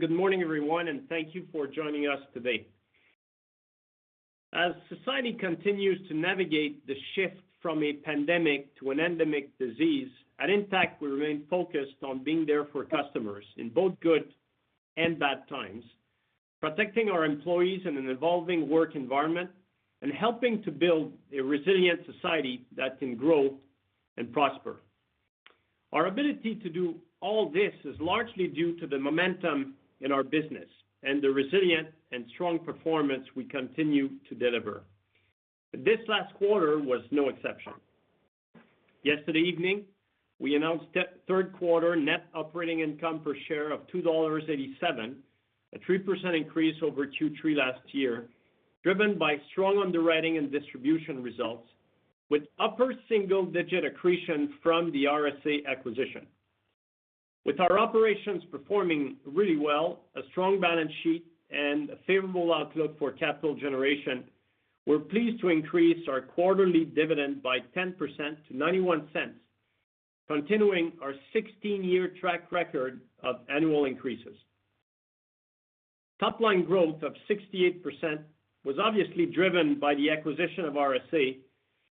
Good morning everyone, and thank you for joining us today. As society continues to navigate the shift from a pandemic to an endemic disease, at Intact we remain focused on being there for customers in both good and bad times, protecting our employees in an evolving work environment, and helping to build a resilient society that can grow and prosper. Our ability to do all this is largely due to the momentum in our business and the resilient and strong performance we continue to deliver. This last quarter was no exception. Yesterday evening, we announced that third quarter net operating income per share of 2.87 dollars, a 3% increase over Q3 last year, driven by strong underwriting and distribution results with upper single-digit accretion from the RSA acquisition. With our operations performing really well, a strong balance sheet, and a favorable outlook for capital generation, we're pleased to increase our quarterly dividend by 10% to 0.91, continuing our 16-year track record of annual increases. Top line growth of 68% was obviously driven by the acquisition of RSA,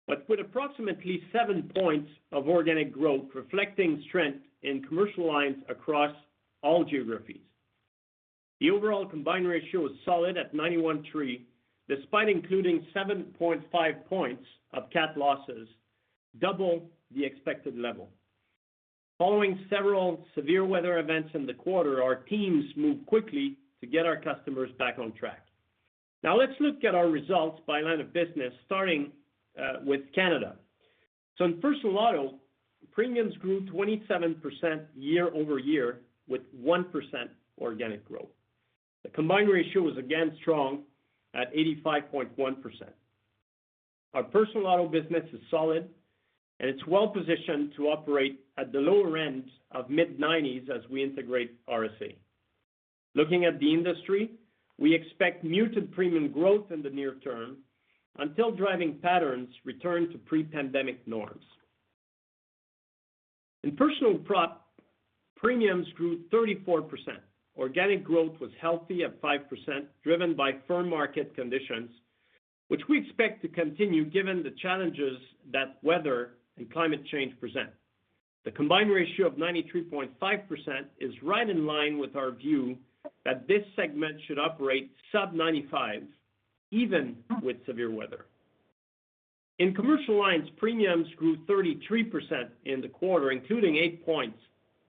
but with approximately 7 points of organic growth reflecting strength in commercial lines across all geographies. The overall combined ratio is solid at 91.3, despite including 7.5 points of CAT losses, double the expected level. Following several severe weather events in the quarter, our teams moved quickly to get our customers back on track. Now let's look at our results by line of business, starting with Canada. In personal auto, premiums grew 27% year-over-year with 1% organic growth. The combined ratio was again strong at 85.1%. Our personal auto business is solid, and it's well-positioned to operate at the lower end of mid-90s as we integrate RSA. Looking at the industry, we expect muted premium growth in the near term until driving patterns return to pre-pandemic norms. In personal prop, premiums grew 34%. Organic growth was healthy at 5%, driven by firm market conditions, which we expect to continue given the challenges that weather and climate change present. The combined ratio of 93.5% is right in line with our view that this segment should operate sub-95s even with severe weather. In commercial lines, premiums grew 33% in the quarter, including eight points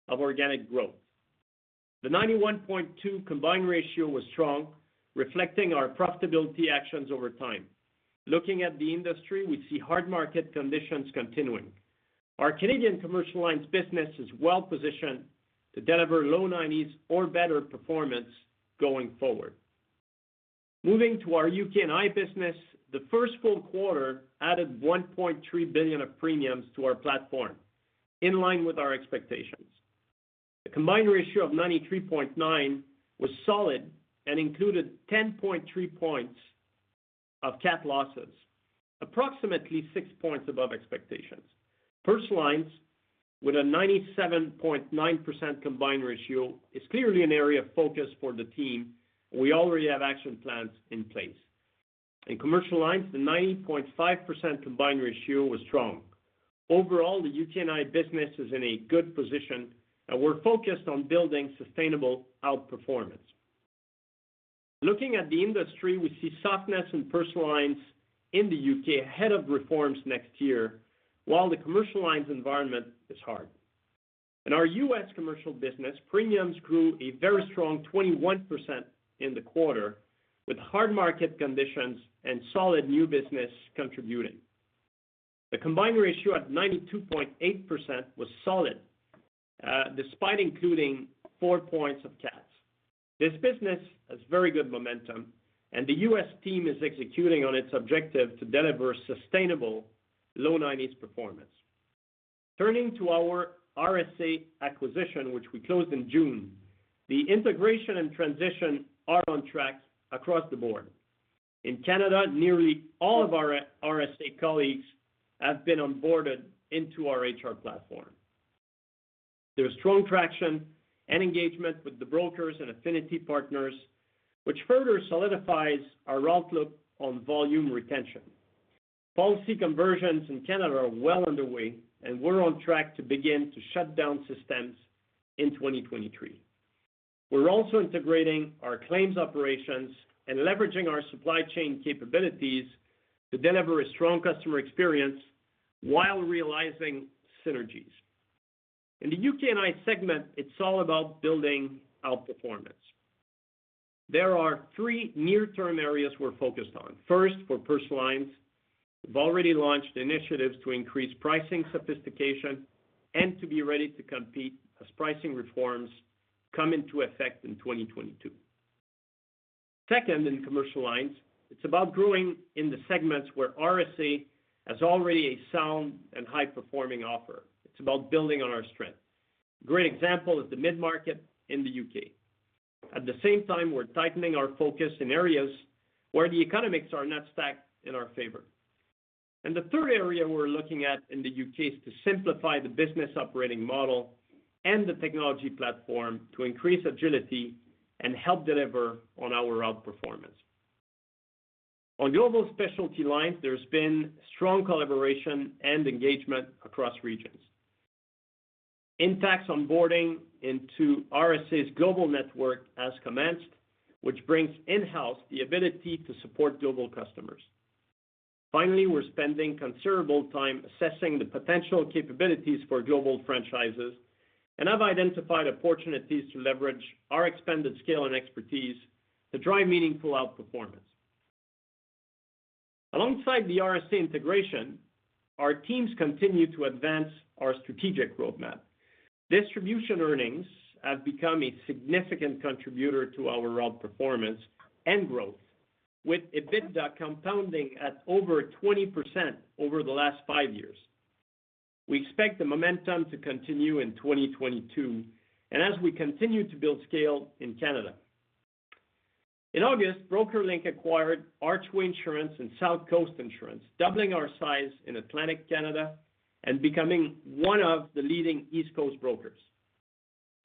of organic growth. The 91.2 combined ratio was strong, reflecting our profitability actions over time. Looking at the industry, we see hard market conditions continuing. Our Canadian commercial lines business is well positioned to deliver low 90s or better performance going forward. Moving to our UK&I business, the first full quarter added 1.3 billion of premiums to our platform in line with our expectations. The combined ratio of 93.9 was solid and included 10.3 points of CAT losses, approximately six points above expectations. Personal lines with a 97.9% combined ratio is clearly an area of focus for the team. We already have action plans in place. In commercial lines, the 90.5% combined ratio was strong. Overall, the UK&I business is in a good position, and we're focused on building sustainable outperformance. Looking at the industry, we see softness in personal lines in the U.K. ahead of reforms next year, while the commercial lines environment is hard. In our U.S. commercial business, premiums grew a very strong 21% in the quarter, with hard market conditions and solid new business contributing. The combined ratio at 92.8% was solid, despite including four points of CATs. This business has very good momentum and the U.S. team is executing on its objective to deliver sustainable low 90s performance. Turning to our RSA acquisition, which we closed in June, the integration and transition are on track across the board. In Canada, nearly all of our RSA colleagues have been onboarded into our HR platform. There's strong traction and engagement with the brokers and affinity partners, which further solidifies our outlook on volume retention. Policy conversions in Canada are well underway and we're on track to begin to shut down systems in 2023. We're also integrating our claims operations and leveraging our supply chain capabilities to deliver a strong customer experience while realizing synergies. In the UK&I segment, it's all about building out performance. There are three near-term areas we're focused on. First, for personal lines, we've already launched initiatives to increase pricing sophistication and to be ready to compete as pricing reforms come into effect in 2022. Second, in commercial lines, it's about growing in the segments where RSA has already a sound and high-performing offer. It's about building on our strength. Great example is the mid-market in the UK. At the same time, we're tightening our focus in areas where the economics are not stacked in our favor. The third area we're looking at in the UK is to simplify the business operating model and the technology platform to increase agility and help deliver on our outperformance. On global specialty lines, there's been strong collaboration and engagement across regions. Intact's onboarding into RSA's global network has commenced, which brings in-house the ability to support global customers. Finally, we're spending considerable time assessing the potential capabilities for global franchises, and I've identified opportunities to leverage our expanded scale and expertise to drive meaningful outperformance. Alongside the RSA integration, our teams continue to advance our strategic roadmap. Distribution earnings have become a significant contributor to our outperformance and growth, with EBITDA compounding at over 20% over the last five years. We expect the momentum to continue in 2022 and as we continue to build scale in Canada. In August, BrokerLink acquired Archway Insurance and South Coast Insurance, doubling our size in Atlantic Canada and becoming one of the leading East Coast brokers.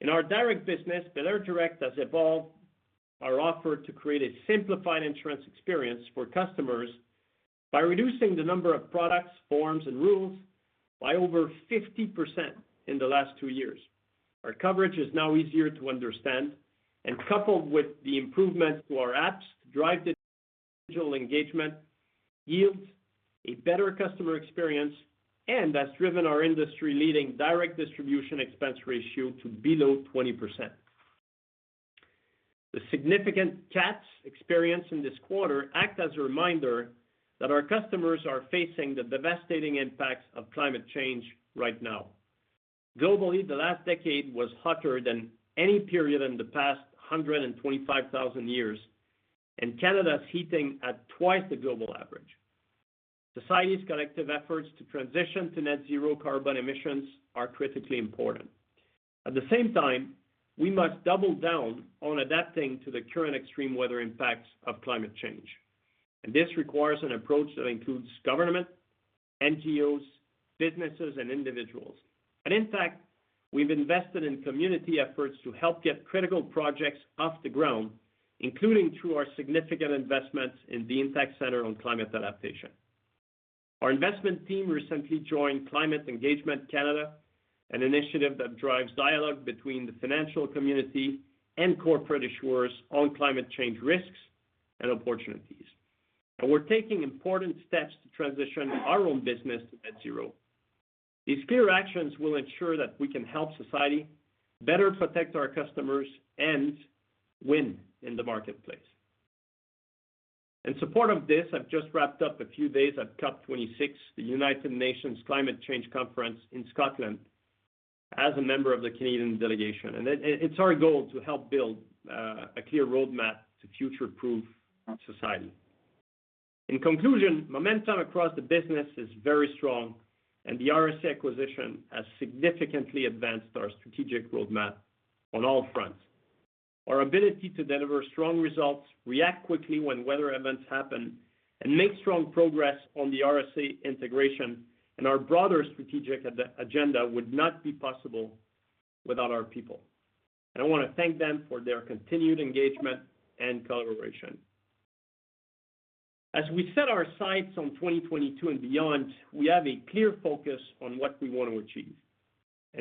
In our direct business, belairdirect has evolved our offer to create a simplified insurance experience for customers by reducing the number of products, forms, and rules by over 50% in the last two years. Our coverage is now easier to understand and coupled with the improvements to our apps to drive digital engagement yields a better customer experience and has driven our industry-leading direct distribution expense ratio to below 20%. The significant CATs experience in this quarter act as a reminder that our customers are facing the devastating impacts of climate change right now. Globally, the last decade was hotter than any period in the past 125,000 years, and Canada is heating at twice the global average. Society's collective efforts to transition to net zero carbon emissions are critically important. At the same time, we must double down on adapting to the current extreme weather impacts of climate change. This requires an approach that includes government, NGOs, businesses, and individuals. At Intact, we've invested in community efforts to help get critical projects off the ground, including through our significant investments in the Intact Centre on Climate Adaptation. Our investment team recently joined Climate Engagement Canada, an initiative that drives dialogue between the financial community and corporate issuers on climate change risks and opportunities. We're taking important steps to transition our own business to net zero. These clear actions will ensure that we can help society better protect our customers and win in the marketplace. In support of this, I've just wrapped up a few days at COP26, the United Nations Climate Change Conference in Scotland, as a member of the Canadian delegation. It's our goal to help build a clear roadmap to future-proof society. In conclusion, momentum across the business is very strong and the RSA acquisition has significantly advanced our strategic roadmap on all fronts. Our ability to deliver strong results, react quickly when weather events happen, and make strong progress on the RSA integration and our broader strategic agenda would not be possible without our people. I want to thank them for their continued engagement and collaboration. As we set our sights on 2022 and beyond, we have a clear focus on what we want to achieve.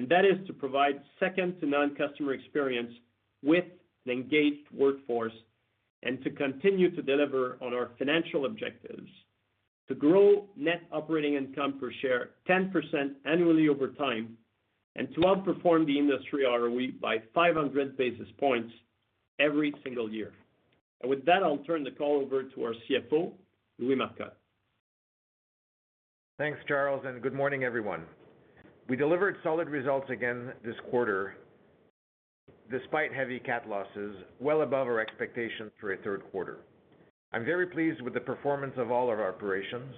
That is to provide second to none customer experience with an engaged workforce and to continue to deliver on our financial objectives to grow net operating income per share 10% annually over time, and to outperform the industry ROE by 500 basis points every single year. With that, I'll turn the call over to our CFO, Louis Marcotte. Thanks, Charles, and good morning, everyone. We delivered solid results again this quarter despite heavy CAT losses well above our expectations for a third quarter. I'm very pleased with the performance of all of our operations,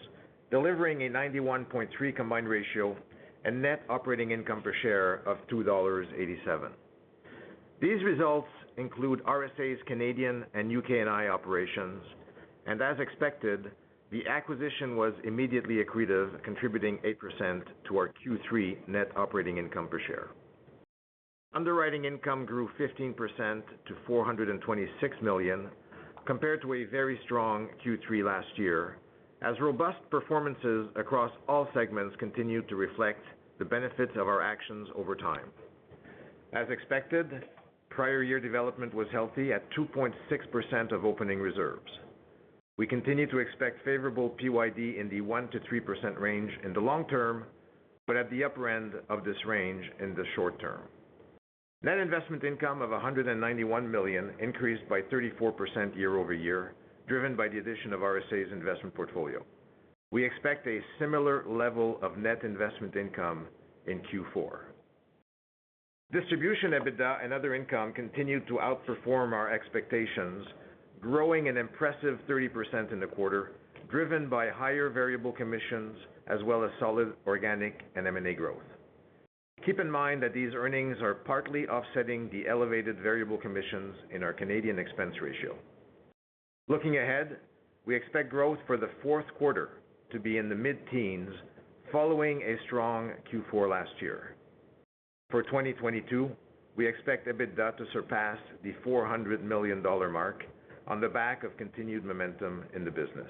delivering a 91.3 combined ratio and net operating income per share of 2.87 dollars. These results include RSA's Canadian and UK&I operations, and as expected, the acquisition was immediately accretive, contributing 8% to our Q3 net operating income per share. Underwriting income grew 15% to 426 million, compared to a very strong Q3 last year, as robust performances across all segments continued to reflect the benefits of our actions over time. As expected, prior year development was healthy at 2.6% of opening reserves. We continue to expect favorable PYD in the 1%-3% range in the long term, but at the upper end of this range in the short term. Net investment income of 191 million increased by 34% year-over-year, driven by the addition of RSA's investment portfolio. We expect a similar level of net investment income in Q4. Distribution EBITDA and other income continued to outperform our expectations, growing an impressive 30% in the quarter, driven by higher variable commissions as well as solid organic and M&A growth. Keep in mind that these earnings are partly offsetting the elevated variable commissions in our Canadian expense ratio. Looking ahead, we expect growth for the fourth quarter to be in the mid-teens following a strong Q4 last year. For 2022, we expect EBITDA to surpass the 400 million dollar mark on the back of continued momentum in the business.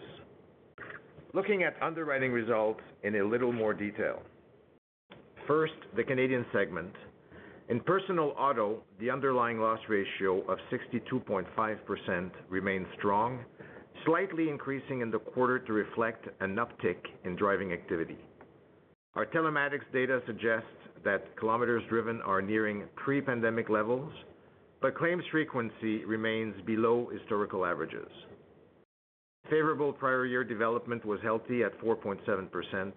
Looking at underwriting results in a little more detail. First, the Canadian segment. In personal auto, the underlying loss ratio of 62.5% remains strong, slightly increasing in the quarter to reflect an uptick in driving activity. Our telematics data suggests that kilometers driven are nearing pre-pandemic levels, but claims frequency remains below historical averages. Favorable prior year development was healthy at 4.7%,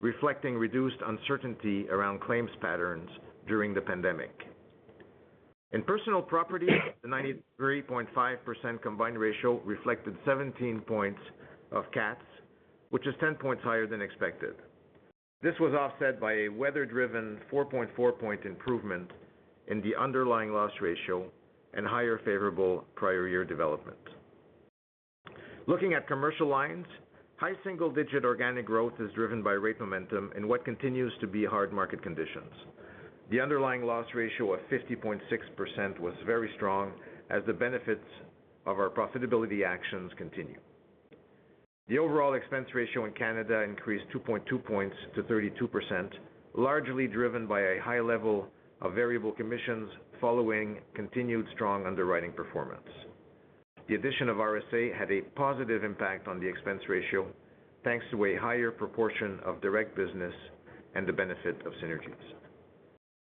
reflecting reduced uncertainty around claims patterns during the pandemic. In personal property, the 93.5% combined ratio reflected 17 points of CATs, which is 10 points higher than expected. This was offset by a weather driven 4.4-point improvement in the underlying loss ratio and higher favorable prior year development. Looking at commercial lines, high single-digit organic growth is driven by rate momentum in what continues to be hard market conditions. The underlying loss ratio of 50.6% was very strong as the benefits of our profitability actions continue. The overall expense ratio in Canada increased 2.2 points to 32%, largely driven by a high level of variable commissions following continued strong underwriting performance. The addition of RSA had a positive impact on the expense ratio thanks to a higher proportion of direct business and the benefit of synergies.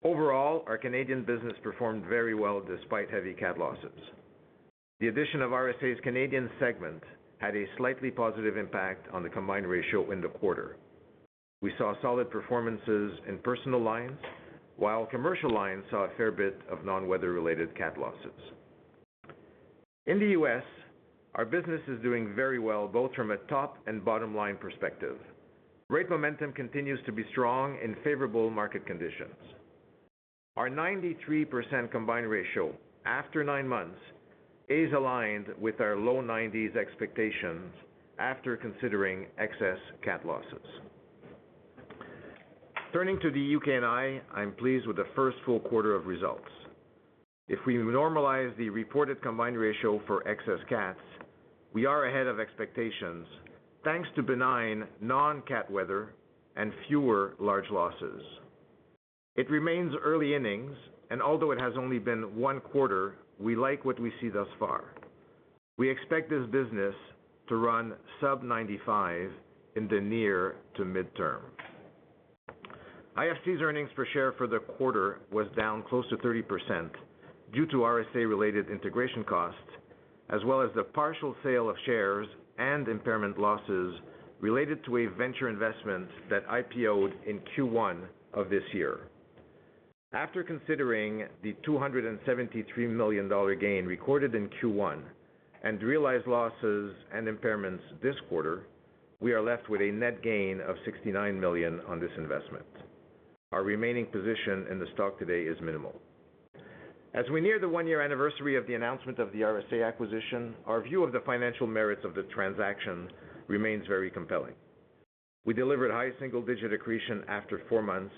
Overall, our Canadian business performed very well despite heavy CAT losses. The addition of RSA's Canadian segment had a slightly positive impact on the combined ratio in the quarter. We saw solid performances in personal lines while commercial lines saw a fair bit of non-weather-related CAT losses. In the U.S., our business is doing very well both from a top and bottom line perspective. Rate momentum continues to be strong in favorable market conditions. Our 93% combined ratio after nine months is aligned with our low 90s expectations after considering excess CAT losses. Turning to the UK&I, I'm pleased with the first full quarter of results. If we normalize the reported combined ratio for excess CATs, we are ahead of expectations thanks to benign non-CAT weather and fewer large losses. It remains early innings, and although it has only been one quarter, we like what we see thus far. We expect this business to run sub 95 in the near to midterm. IFC's earnings per share for the quarter was down close to 30% due to RSA-related integration costs, as well as the partial sale of shares and impairment losses related to a venture investment that IPO'd in Q1 of this year. After considering the 273 million dollar gain recorded in Q1 and realized losses and impairments this quarter, we are left with a net gain of 69 million on this investment. Our remaining position in the stock today is minimal. As we near the one-year anniversary of the announcement of the RSA acquisition, our view of the financial merits of the transaction remains very compelling. We delivered high single-digit accretion after four months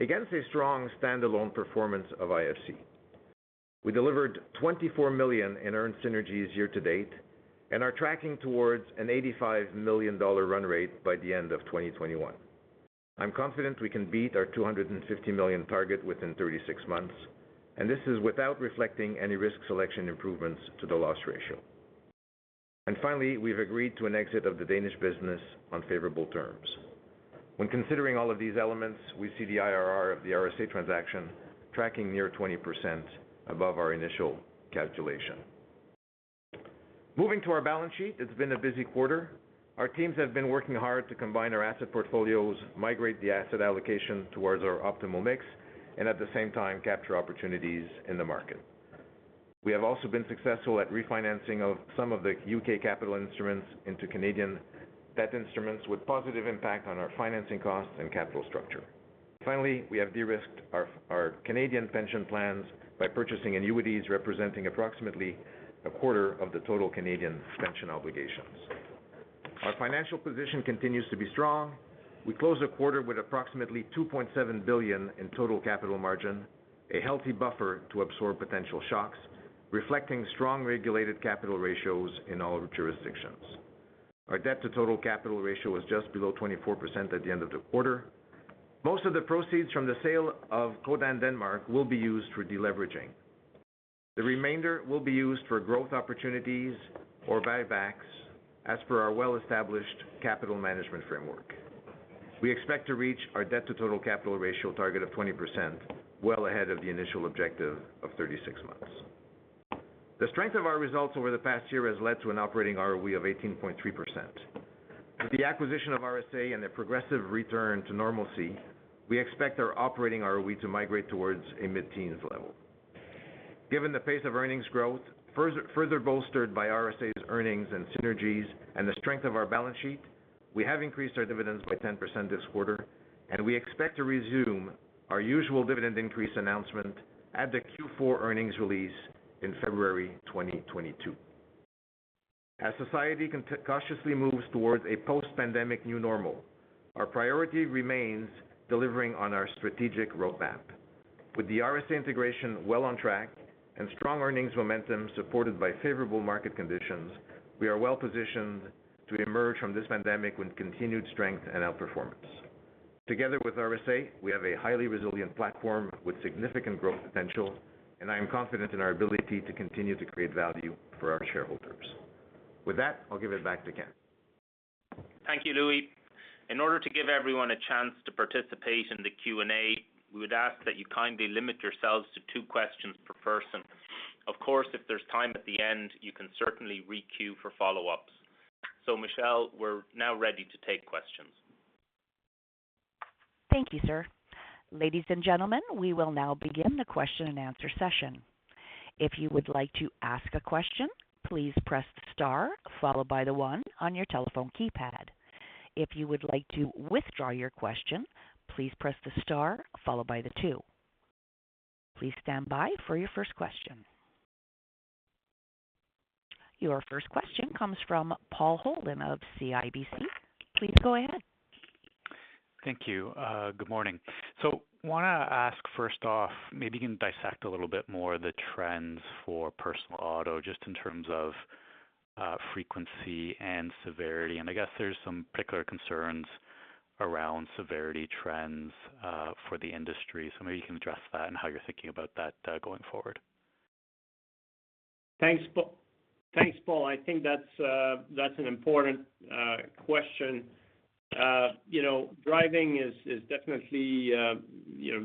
against a strong standalone performance of IFC. We delivered 24 million in earned synergies year to date and are tracking towards a 85 million dollar run rate by the end of 2021. I'm confident we can beat our 250 million target within 36 months, and this is without reflecting any risk selection improvements to the loss ratio. Finally, we've agreed to an exit of the Danish business on favorable terms. When considering all of these elements, we see the IRR of the RSA transaction tracking near 20% above our initial calculation. Moving to our balance sheet, it's been a busy quarter. Our teams have been working hard to combine our asset portfolios, migrate the asset allocation towards our optimal mix, and at the same time, capture opportunities in the market. We have also been successful at refinancing of some of the U.K. capital instruments into Canadian debt instruments with positive impact on our financing costs and capital structure. Finally, we have de-risked our Canadian pension plans by purchasing annuities representing approximately a quarter of the total Canadian pension obligations. Our financial position continues to be strong. We close the quarter with approximately 2.7 billion in total capital margin, a healthy buffer to absorb potential shocks, reflecting strong regulated capital ratios in all of the jurisdictions. Our debt to total capital ratio was just below 24% at the end of the quarter. Most of the proceeds from the sale of Codan Denmark will be used for deleveraging. The remainder will be used for growth opportunities or buybacks as per our well-established capital management framework. We expect to reach our debt to total capital ratio target of 20% well ahead of the initial objective of 36 months. The strength of our results over the past year has led to an operating ROE of 18.3%. With the acquisition of RSA and the progressive return to normalcy, we expect our operating ROE to migrate towards a mid-teens level. Given the pace of earnings growth, further bolstered by RSA's earnings and synergies and the strength of our balance sheet, we have increased our dividends by 10% this quarter, and we expect to resume our usual dividend increase announcement at the Q4 earnings release in February 2022. As society cautiously moves towards a post-pandemic new normal, our priority remains delivering on our strategic roadmap. With the RSA integration well on track and strong earnings momentum supported by favorable market conditions, we are well-positioned to emerge from this pandemic with continued strength and outperformance. Together with RSA, we have a highly resilient platform with significant growth potential, and I am confident in our ability to continue to create value for our shareholders. With that, I'll give it back to Ken. Thank you, Louis. In order to give everyone a chance to participate in the Q&A, we would ask that you kindly limit yourselves to two questions per person. Of course, if there's time at the end, you can certainly re-queue for follow-ups. Michelle, we're now ready to take questions. Thank you, sir. Ladies and gentlemen, we will now begin the question and answer session. If you would like to ask a question, please press star followed by the 1 on your telephone keypad. If you would like to withdraw your question, please press the star followed by the 2. Please stand by for your first question. Your first question comes from Paul Holden of CIBC. Please go ahead. Thank you. Good morning. Wanna ask first off, maybe you can dissect a little bit more the trends for personal auto, just in terms of, frequency and severity. I guess there's some particular concerns around severity trends, for the industry. Maybe you can address that and how you're thinking about that, going forward. Thanks, Paul. I think that's an important question. You know, driving is definitely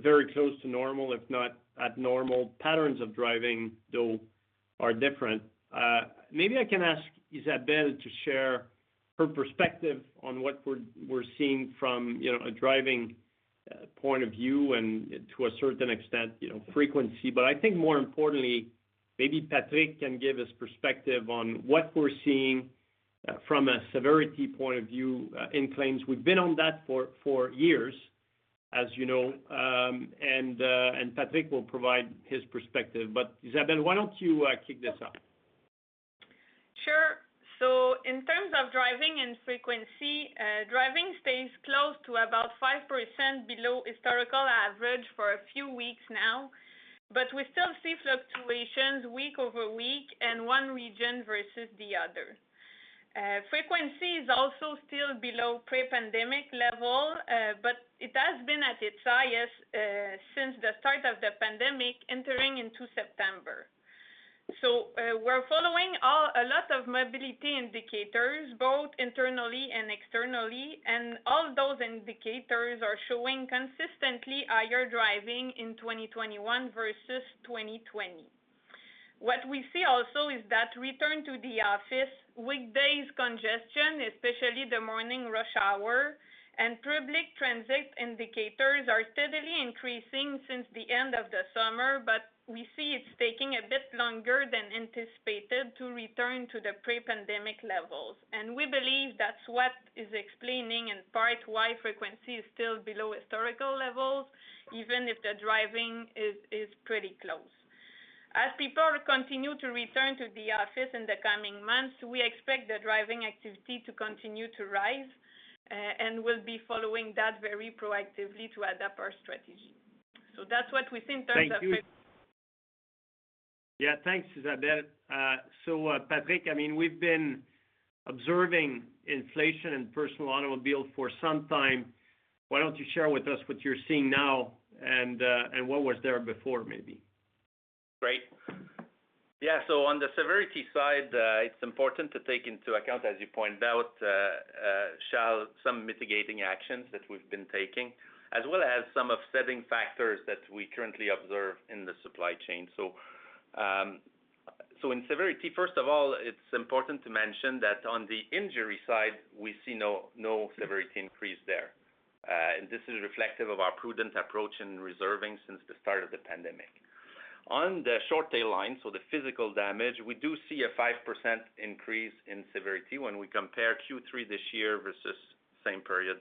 very close to normal, if not at normal. Patterns of driving, though, are different. Maybe I can ask Isabelle to share her perspective on what we're seeing from, you know, a driving point of view and to a certain extent, you know, frequency. I think more importantly, maybe Patrick can give us perspective on what we're seeing from a severity point of view in claims. We've been on that for years, as you know, and Patrick will provide his perspective. Isabelle, why don't you kick this off? Sure. In terms of driving and frequency, driving stays close to about 5% below historical average for a few weeks now, but we still see fluctuations week over week and one region versus the other. Frequency is also still below pre-pandemic level, but it has been at its highest since the start of the pandemic entering into September. We're following a lot of mobility indicators, both internally and externally, and all those indicators are showing consistently higher driving in 2021 versus 2020. What we see also is that return to the office weekdays congestion, especially the morning rush hour and public transit indicators are steadily increasing since the end of the summer, but we see it's taking a bit longer than anticipated to return to the pre-pandemic levels. We believe that's what is explaining in part why frequency is still below historical levels, even if the driving is pretty close. As people continue to return to the office in the coming months, we expect the driving activity to continue to rise, and we'll be following that very proactively to adapt our strategy. That's what we see in terms of- Thank you. Yeah. Thanks, Isabelle. Patrick, I mean, we've been observing inflation in personal automobile for some time. Why don't you share with us what you're seeing now and what was there before, maybe? On the severity side, it's important to take into account, as you pointed out, Charles, some mitigating actions that we've been taking, as well as some offsetting factors that we currently observe in the supply chain. In severity, first of all, it's important to mention that on the injury side, we see no severity increase there. This is reflective of our prudent approach in reserving since the start of the pandemic. On the short tail line, so the physical damage, we do see a 5% increase in severity when we compare Q3 this year versus same period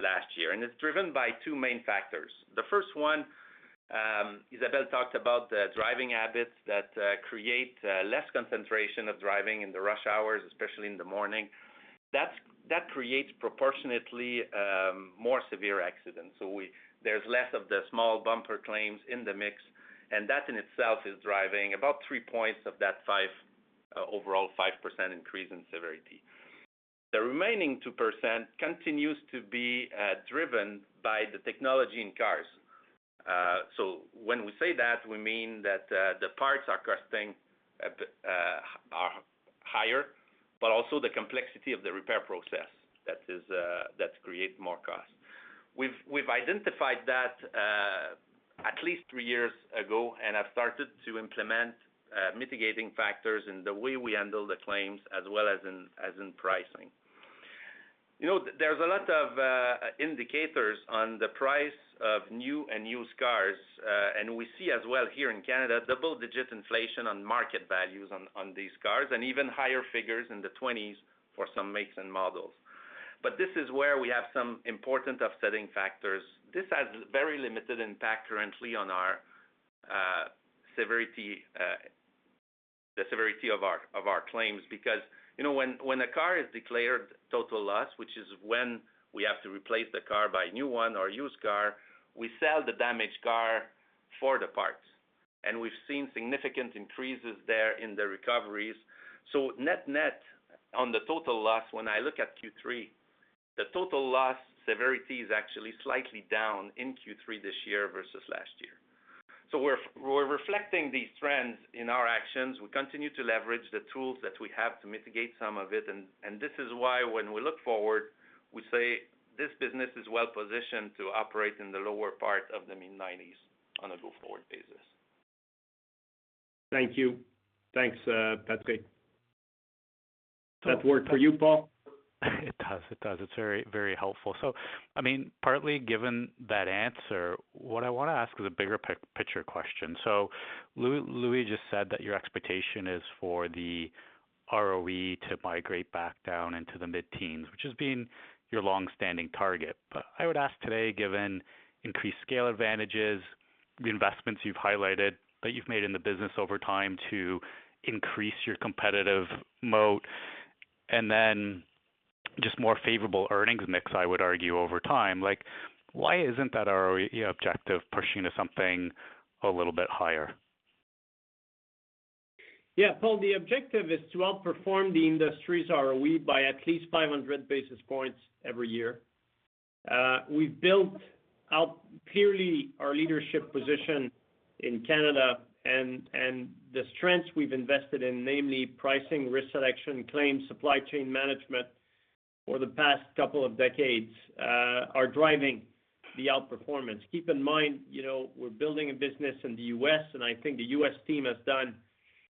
last year. It's driven by two main factors. The first one, Isabelle talked about the driving habits that create less concentration of driving in the rush hours, especially in the morning. That creates proportionately more severe accidents. There's less of the small bumper claims in the mix, and that in itself is driving about three points of that overall 5% increase in severity. The remaining 2% continues to be driven by the technology in cars. When we say that, we mean that the parts are costing are higher, but also the complexity of the repair process that create more costs. We've identified that at least three years ago and have started to implement mitigating factors in the way we handle the claims as well as in pricing. You know, there's a lot of indicators on the price of new and used cars. We see as well here in Canada, double-digit inflation on market values on these cars and even higher figures in the 20s for some makes and models. This is where we have some important offsetting factors. This has very limited impact currently on our severity, the severity of our claims. Because, you know, when a car is declared total loss, which is when we have to replace the car, buy a new one or a used car, we sell the damaged car for the parts. We've seen significant increases there in the recoveries. Net-net on the total loss, when I look at Q3, the total loss severity is actually slightly down in Q3 this year versus last year. We're reflecting these trends in our actions. We continue to leverage the tools that we have to mitigate some of it. This is why when we look forward, we say this business is well positioned to operate in the lower part of the mid-nineties on a go-forward basis. Thank you. Thanks, Patrick. That work for you, Paul? It does. It's very, very helpful. I mean, partly given that answer, what I wanna ask is a bigger picture question. Louis just said that your expectation is for the ROE to migrate back down into the mid-teens, which has been your long-standing target. I would ask today, given increased scale advantages, the investments you've highlighted that you've made in the business over time to increase your competitive moat, and then just more favorable earnings mix, I would argue over time, like, why isn't that ROE objective pushing to something a little bit higher? Yeah, Paul, the objective is to outperform the industry's ROE by at least 500 basis points every year. We've built out clearly our leadership position in Canada and the strengths we've invested in, namely pricing, risk selection, claims, supply chain management for the past couple of decades, are driving the outperformance. Keep in mind, you know, we're building a business in the U.S., and I think the U.S. team has done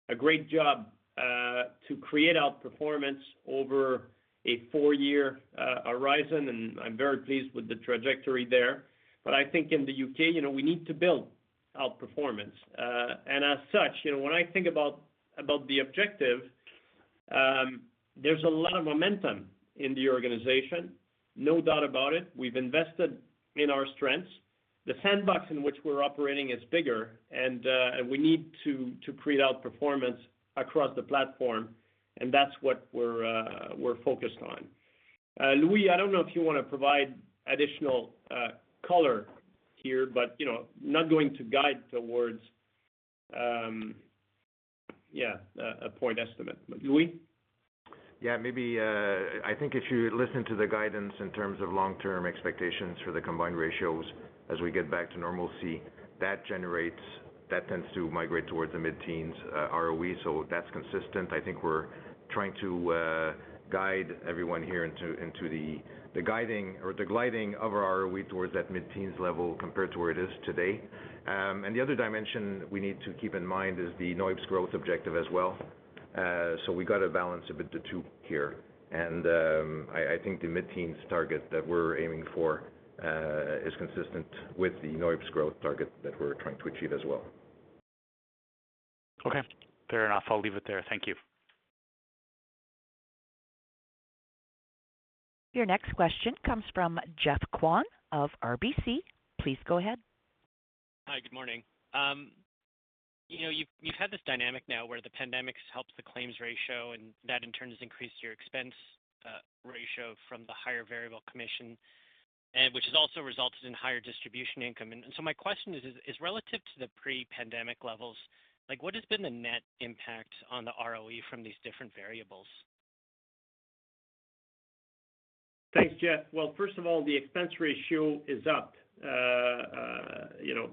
a great job to create outperformance over a four-year horizon, and I'm very pleased with the trajectory there. I think in the U.K., you know, we need to build outperformance. As such, you know, when I think about the objective, there's a lot of momentum in the organization. No doubt about it. We've invested in our strengths. The sandbox in which we're operating is bigger, and we need to create outperformance across the platform, and that's what we're focused on. Louis, I don't know if you wanna provide additional color here, but you know, not going to guide towards a point estimate. Louis. Yeah. Maybe, I think if you listen to the guidance in terms of long-term expectations for the combined ratios as we get back to normalcy, that tends to migrate towards the mid-teens ROE. That's consistent. I think we're trying to guide everyone here into the guiding or the gliding of our ROE towards that mid-teens level compared to where it is today. The other dimension we need to keep in mind is the NOIPS growth objective as well. We got to balance a bit the two here. I think the mid-teens target that we're aiming for is consistent with the NOIPS growth target that we're trying to achieve as well. Okay. Fair enough. I'll leave it there. Thank you. Your next question comes from Geoff Kwan of RBC. Please go ahead. Hi, good morning. You know, you've had this dynamic now where the pandemic's helped the claims ratio, and that in turn has increased your expense ratio from the higher variable commission, and which has also resulted in higher distribution income. My question is, relative to the pre-pandemic levels, like, what has been the net impact on the ROE from these different variables? Thanks, Geoff. Well, first of all, the expense ratio is up, you know,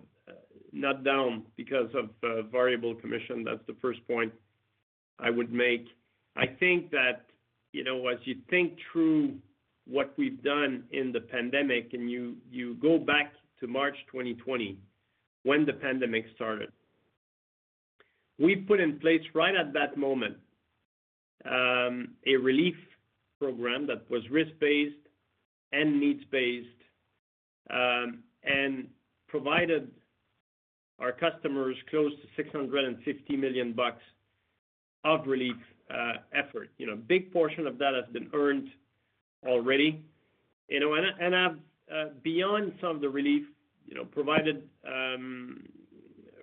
not down because of variable commission. That's the first point I would make. I think that, you know, as you think through what we've done in the pandemic and you go back to March 2020 when the pandemic started, we put in place right at that moment, a relief program that was risk-based and needs-based, and provided our customers close to 650 million bucks of relief effort. You know, a big portion of that has been earned already, you know. Beyond some of the relief provided,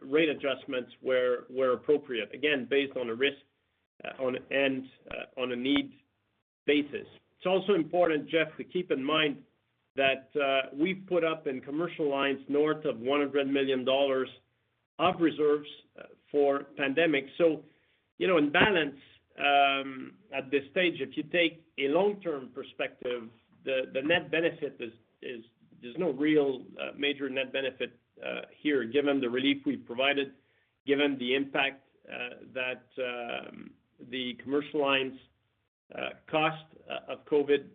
rate adjustments where appropriate, again, based on a risk and on a needs basis. It's also important, Jeff, to keep in mind that we've put up in commercial lines north of 100 million dollars of reserves for pandemic. You know, in balance, at this stage, if you take a long-term perspective, the net benefit is there's no real major net benefit here, given the relief we've provided, given the impact that the commercial lines cost of COVID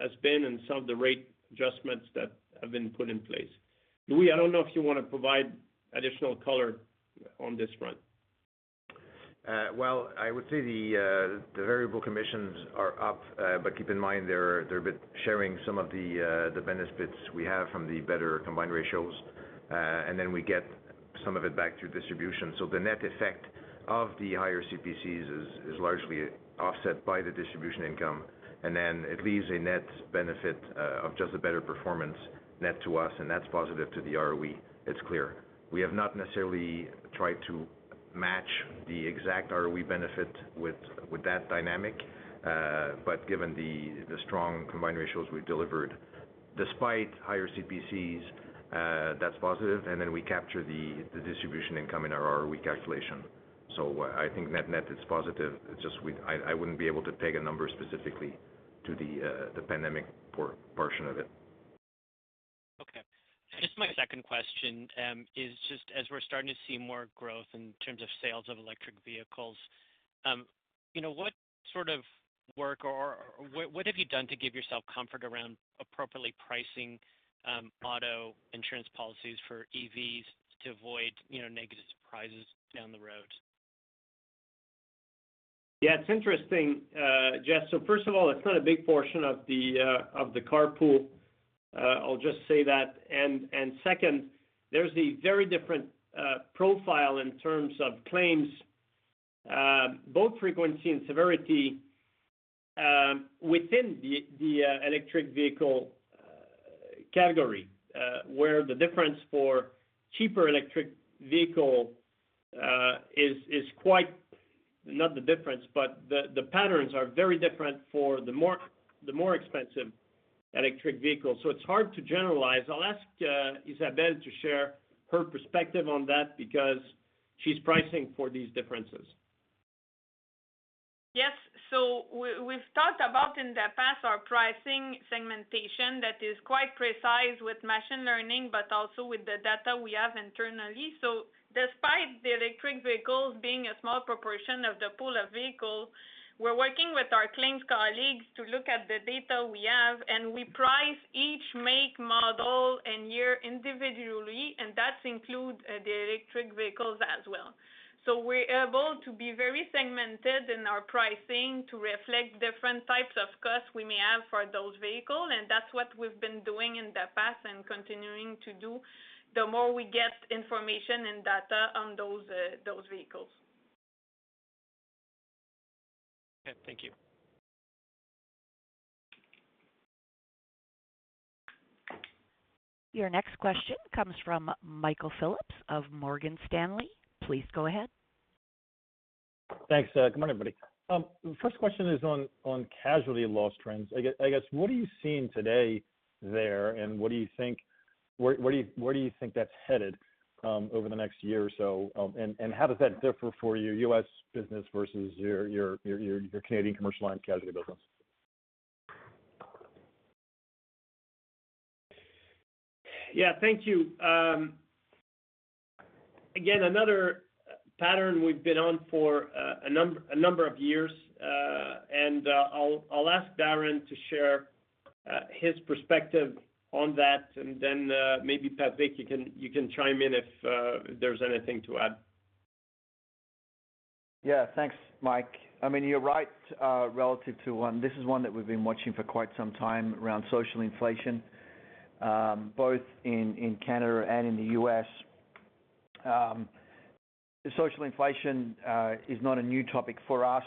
has been and some of the rate adjustments that have been put in place. Louis, I don't know if you want to provide additional color on this front. Well, I would say the variable commissions are up. Keep in mind they're a bit sharing some of the benefits we have from the better combined ratios. Then we get some of it back through distribution. The net effect of the higher CPCs is largely offset by the distribution income. It leaves a net benefit of just the better performance net to us, and that's positive to the ROE. It's clear. We have not necessarily tried to match the exact ROE benefit with that dynamic. Given the strong combined ratios we've delivered despite higher CPCs, that's positive. We capture the distribution income in our ROE calculation. I think net-net it's positive. It's just I wouldn't be able to peg a number specifically to the pandemic portion of it. Okay. Just my second question is just as we're starting to see more growth in terms of sales of electric vehicles, you know, what sort of work or what have you done to give yourself comfort around appropriately pricing auto insurance policies for EVs to avoid, you know, negative surprises down the road? Yeah, it's interesting, Jeff. First of all, it's not a big portion of the car pool. I'll just say that. Second, there's a very different profile in terms of claims, both frequency and severity, within the electric vehicle category, where the patterns are very different for the more expensive electric vehicles. It's hard to generalize. I'll ask Isabelle to share her perspective on that because she's pricing for these differences. Yes. We've thought about in the past our pricing segmentation that is quite precise with machine learning, but also with the data we have internally. Despite the electric vehicles being a small proportion of the pool of vehicles, we're working with our claims colleagues to look at the data we have, and we price each make, model, and year individually, and that include the electric vehicles as well. We're able to be very segmented in our pricing to reflect different types of costs we may have for those vehicles, and that's what we've been doing in the past and continuing to do the more we get information and data on those vehicles. Okay, thank you. Your next question comes from Michael Phillips of Morgan Stanley. Please go ahead. Thanks. Good morning, everybody. First question is on casualty loss trends. I guess, what are you seeing today there, and what do you think? Where do you think that's headed over the next year or so? And how does that differ for your U.S. business versus your Canadian commercial and casualty business? Yeah. Thank you. Again, another pattern we've been on for a number of years. I'll ask Darren to share his perspective on that. Maybe Patrick, you can chime in if there's anything to add. Yeah. Thanks, Mike. I mean, you're right, relative to one. This is one that we've been watching for quite some time around social inflation, both in Canada and in the U.S. Social inflation is not a new topic for us.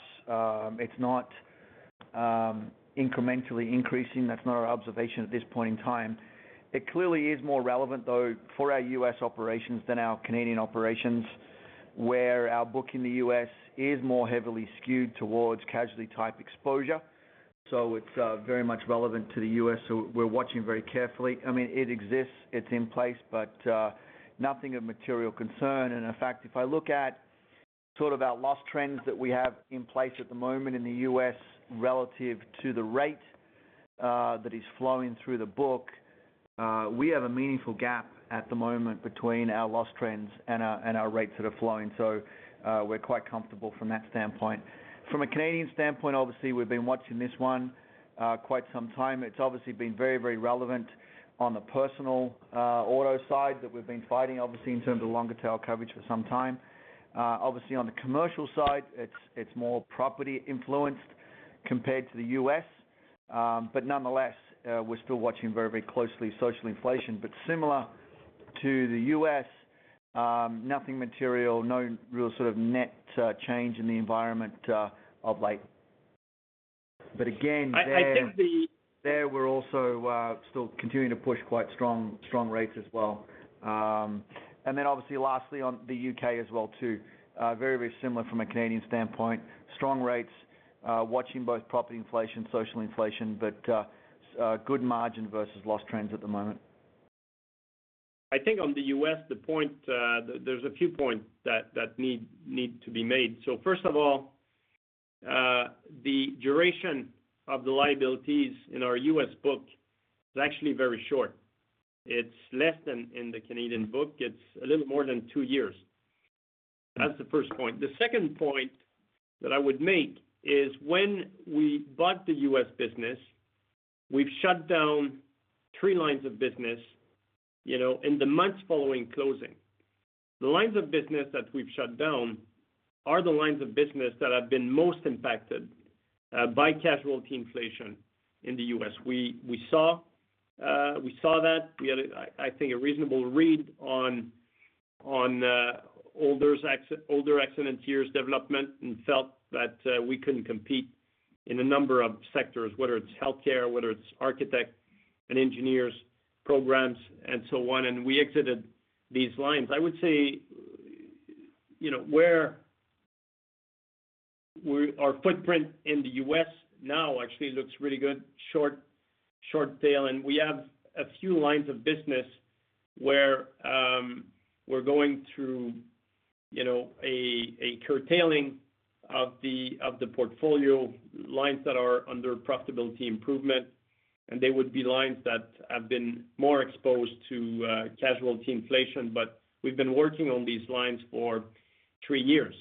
It's not incrementally increasing. That's not our observation at this point in time. It clearly is more relevant though for our U.S. operations than our Canadian operations, where our book in the U.S. is more heavily skewed towards casualty-type exposure. So it's very much relevant to the U.S., so we're watching very carefully. I mean, it exists, it's in place, but nothing of material concern. In fact, if I look at sort of our loss trends that we have in place at the moment in the U.S. relative to the rate that is flowing through the book, we have a meaningful gap at the moment between our loss trends and our rates that are flowing. We're quite comfortable from that standpoint. From a Canadian standpoint, obviously, we've been watching this one quite some time. It's obviously been very, very relevant on the personal auto side that we've been fighting, obviously, in terms of longer tail coverage for some time. Obviously, on the commercial side, it's more property influenced compared to the U.S. But nonetheless, we're still watching very, very closely social inflation. Similar to the U.S., nothing material, no real sort of net change in the environment of late. Again, there- I think the We're also still continuing to push quite strong rates as well. Then obviously lastly on the U.K. as well too, very similar from a Canadian standpoint, strong rates, watching both property inflation, social inflation, but good margin versus loss trends at the moment. I think on the U.S., the point, there's a few points that need to be made. First of all, the duration of the liabilities in our U.S. book is actually very short. It's less than in the Canadian book. It's a little more than two years. That's the first point. The second point that I would make is when we bought the U.S. business, we've shut down three lines of business, you know, in the months following closing. The lines of business that we've shut down are the lines of business that have been most impacted by casualty inflation in the U.S. We saw that. We had, I think, a reasonable read on older accident years development and felt that we couldn't compete in a number of sectors, whether it's healthcare, whether it's architect and engineers programs, and so on, and we exited these lines. I would say, you know, our footprint in the U.S. now actually looks really good, short tail, and we have a few lines of business where we're going through, you know, a curtailing of the portfolio lines that are under profitability improvement, and they would be lines that have been more exposed to casualty inflation. We've been working on these lines for three years.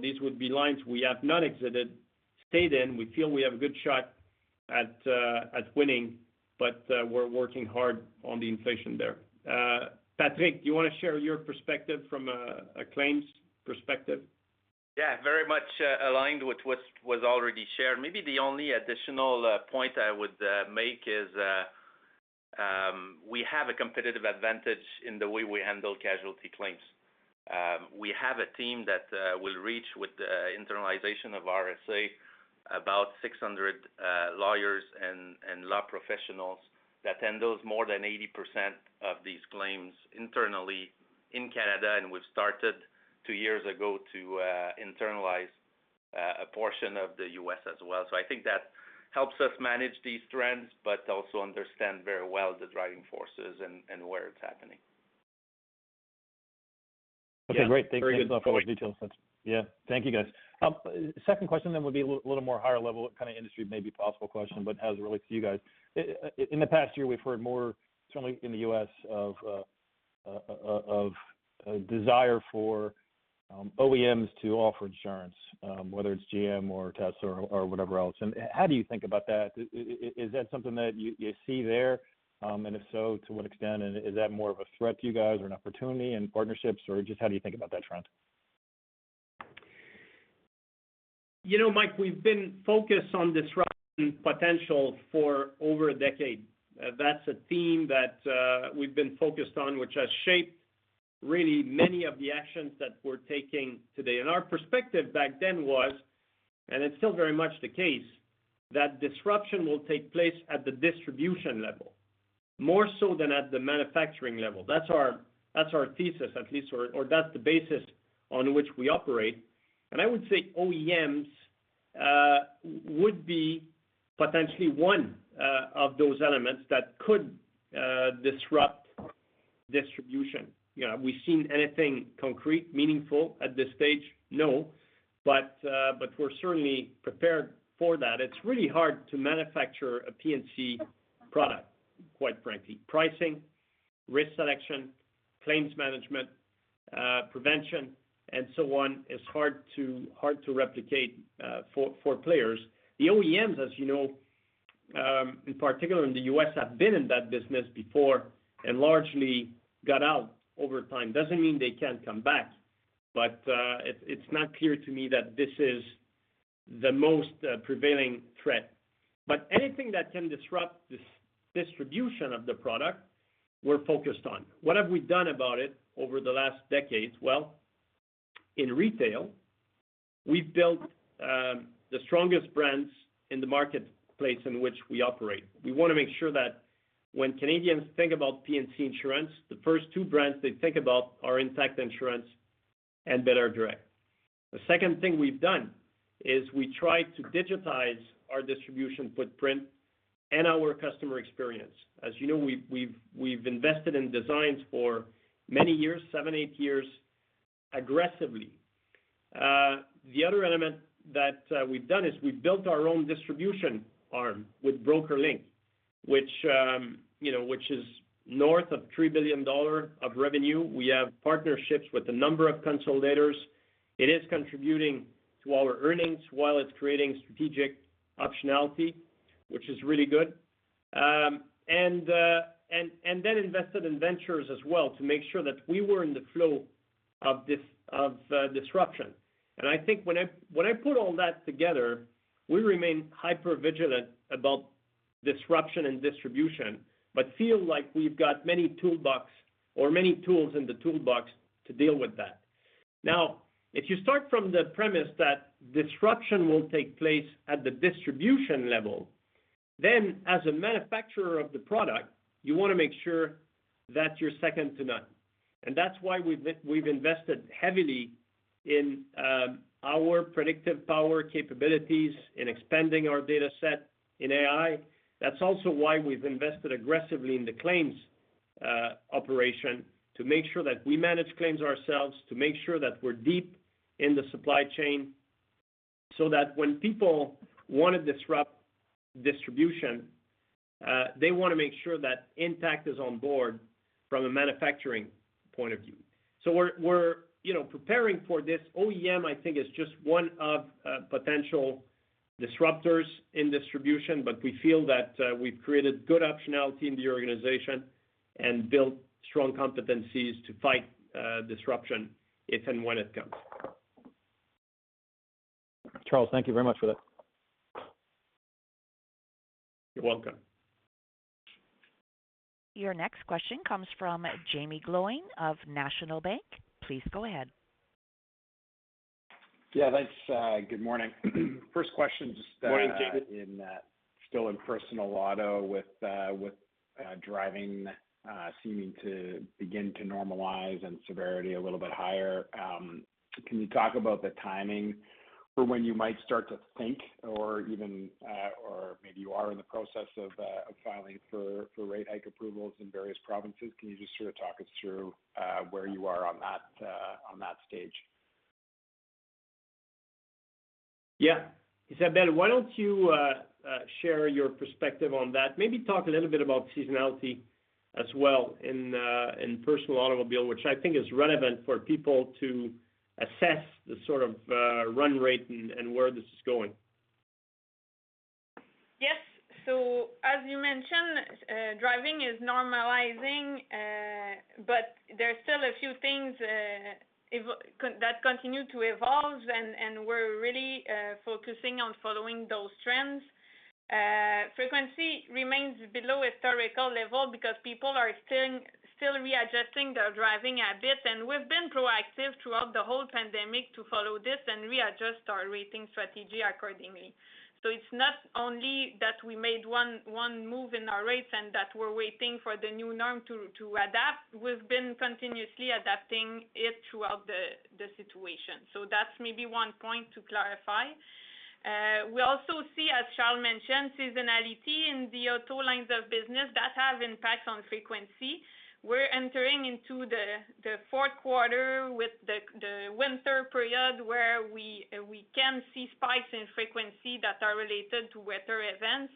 These would be lines we have not exited, stayed in. We feel we have a good shot at winning, but we're working hard on the inflation there. Patrick, do you wanna share your perspective from a claims perspective? Yeah, very much aligned with what was already shared. Maybe the only additional point I would make is we have a competitive advantage in the way we handle casualty claims. We have a team that will reach with the internalization of RSA about 600 lawyers and law professionals that handles more than 80% of these claims internally in Canada, and we've started two years ago to internalize a portion of the U.S. as well. I think that helps us manage these trends, but also understand very well the driving forces and where it's happening. Yeah. Very good point. Okay. Great. Thanks very much for all the details. Thank you, guys. Second question would be a little more higher level kind of industry, maybe possible question, but how it relates to you guys. In the past year, we've heard more, certainly in the U.S. of desire for OEMs to offer insurance, whether it's GM or Tesla or whatever else. How do you think about that? Is that something that you see there? If so, to what extent, and is that more of a threat to you guys or an opportunity in partnerships, or just how do you think about that trend? You know, Mike, we've been focused on disruption potential for over a decade. That's a theme that we've been focused on, which has shaped really many of the actions that we're taking today. Our perspective back then was, and it's still very much the case, that disruption will take place at the distribution level more so than at the manufacturing level. That's our thesis at least, or that's the basis on which we operate. I would say OEMs would be potentially one of those elements that could disrupt distribution. You know, have we seen anything concrete meaningful at this stage? No. We're certainly prepared for that. It's really hard to manufacture a P&C product, quite frankly. Pricing, risk selection, claims management, prevention, and so on is hard to replicate for players. The OEMs, as you know, in particular in the U.S., have been in that business before and largely got out over time. Doesn't mean they can't come back, but it's not clear to me that this is the most prevailing threat. Anything that can disrupt this distribution of the product, we're focused on. What have we done about it over the last decade? Well, in retail, we've built the strongest brands in the marketplace in which we operate. We wanna make sure that when Canadians think about P&C insurance, the first two brands they think about are Intact Insurance and belairdirect. The second thing we've done is we tried to digitize our distribution footprint and our customer experience. As you know, we've invested in digital for many years, seven, eight years aggressively. The other element that we've done is we've built our own distribution arm with BrokerLink, which, you know, which is north of 3 billion dollars of revenue. We have partnerships with a number of consolidators. It is contributing to our earnings while it's creating strategic optionality, which is really good. Then invested in ventures as well to make sure that we were in the flow of this, of disruption. I think when I put all that together, we remain hypervigilant about disruption and distribution, but feel like we've got many toolbox or many tools in the toolbox to deal with that. Now, if you start from the premise that disruption will take place at the distribution level, then as a manufacturer of the product, you wanna make sure that you're second to none. That's why we've invested heavily in our predictive power capabilities, in expanding our dataset in AI. That's also why we've invested aggressively in the claims operation to make sure that we manage claims ourselves, to make sure that we're deep in the supply chain, so that when people wanna disrupt distribution, they wanna make sure that Intact is on board. From a manufacturing point of view. We're you know, preparing for this. OEM, I think, is just one of potential disruptors in distribution, but we feel that we've created good optionality in the organization and built strong competencies to fight disruption if and when it comes. Charles, thank you very much for that. You're welcome. Your next question comes from Jaeme Gloyn of National Bank. Please go ahead. Yeah, thanks. Good morning. Morning, Jaeme. First question, still in personal auto with driving seeming to begin to normalize and severity a little bit higher. Can you talk about the timing for when you might start to think or even or maybe you are in the process of filing for rate hike approvals in various provinces? Can you just sort of talk us through where you are on that stage? Yeah. Isabelle, why don't you share your perspective on that. Maybe talk a little bit about seasonality as well in personal automobile, which I think is relevant for people to assess the sort of run rate and where this is going. Yes. As you mentioned, driving is normalizing, but there are still a few things that continue to evolve and we're really focusing on following those trends. Frequency remains below historical level because people are still readjusting their driving habits, and we've been proactive throughout the whole pandemic to follow this and readjust our rating strategy accordingly. It's not only that we made one move in our rates and that we're waiting for the new norm to adapt. We've been continuously adapting it throughout the situation. That's maybe one point to clarify. We also see, as Charles mentioned, seasonality in the auto lines of business that have impact on frequency. We're entering into the fourth quarter with the winter period where we can see spikes in frequency that are related to weather events.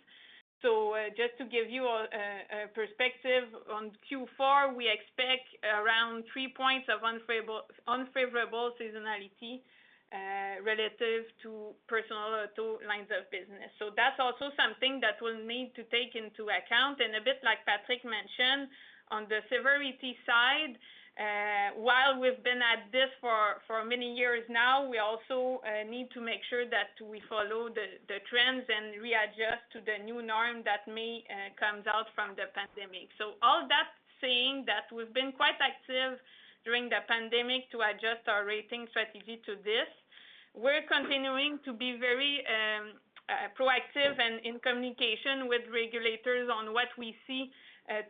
Just to give you a perspective on Q4, we expect around three points of unfavorable seasonality relative to personal auto lines of business. That's also something that we'll need to take into account. A bit like Patrick mentioned, on the severity side, while we've been at this for many years now, we also need to make sure that we follow the trends and readjust to the new norm that may comes out from the pandemic. All that to say that we've been quite active during the pandemic to adjust our rating strategy to this. We're continuing to be very proactive and in communication with regulators on what we see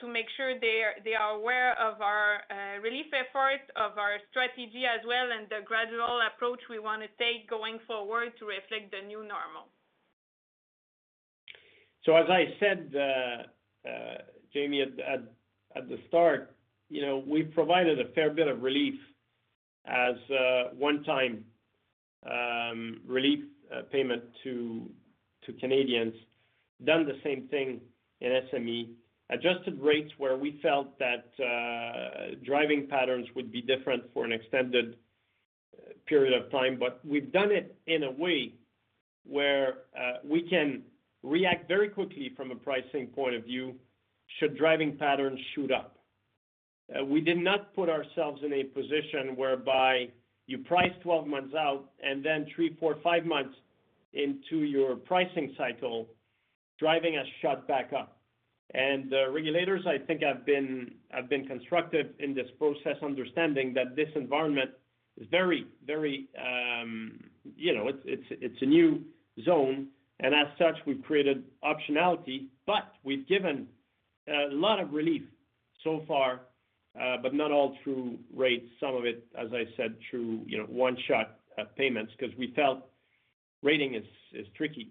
to make sure they are aware of our relief efforts, of our strategy as well, and the gradual approach we wanna take going forward to reflect the new normal. As I said, Jaeme, at the start, you know, we provided a fair bit of relief as a one-time relief payment to Canadians. Done the same thing in SME. Adjusted rates where we felt that driving patterns would be different for an extended period of time, but we've done it in a way where we can react very quickly from a pricing point of view should driving patterns shoot up. We did not put ourselves in a position whereby you price 12 months out and then three, four, five months into your pricing cycle, driving has shot back up. The regulators, I think, have been constructive in this process, understanding that this environment is very, very, you know, it's a new zone, and as such, we've created optionality. We've given a lot of relief so far, but not all through rates, some of it, as I said, through, you know, one-shot payments, 'cause we felt rating is tricky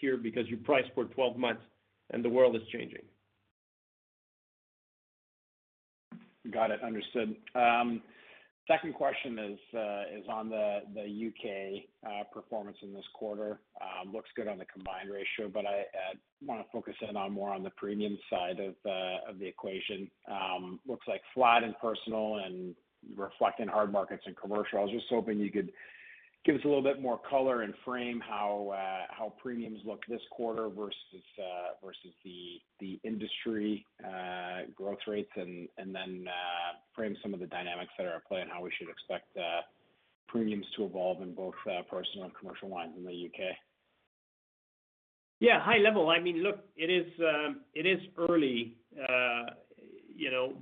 here because you price for 12 months and the world is changing. Got it, understood. Second question is on the U.K. performance in this quarter. Looks good on the combined ratio, but I wanna focus in on more on the premium side of the equation. Looks like flat in personal and reflecting hard markets in commercial. I was just hoping you could give us a little bit more color and frame how premiums look this quarter versus the industry growth rates, and then frame some of the dynamics that are at play and how we should expect premiums to evolve in both personal and commercial lines in the U.K. Yeah, high level, I mean, look, it is early, you know.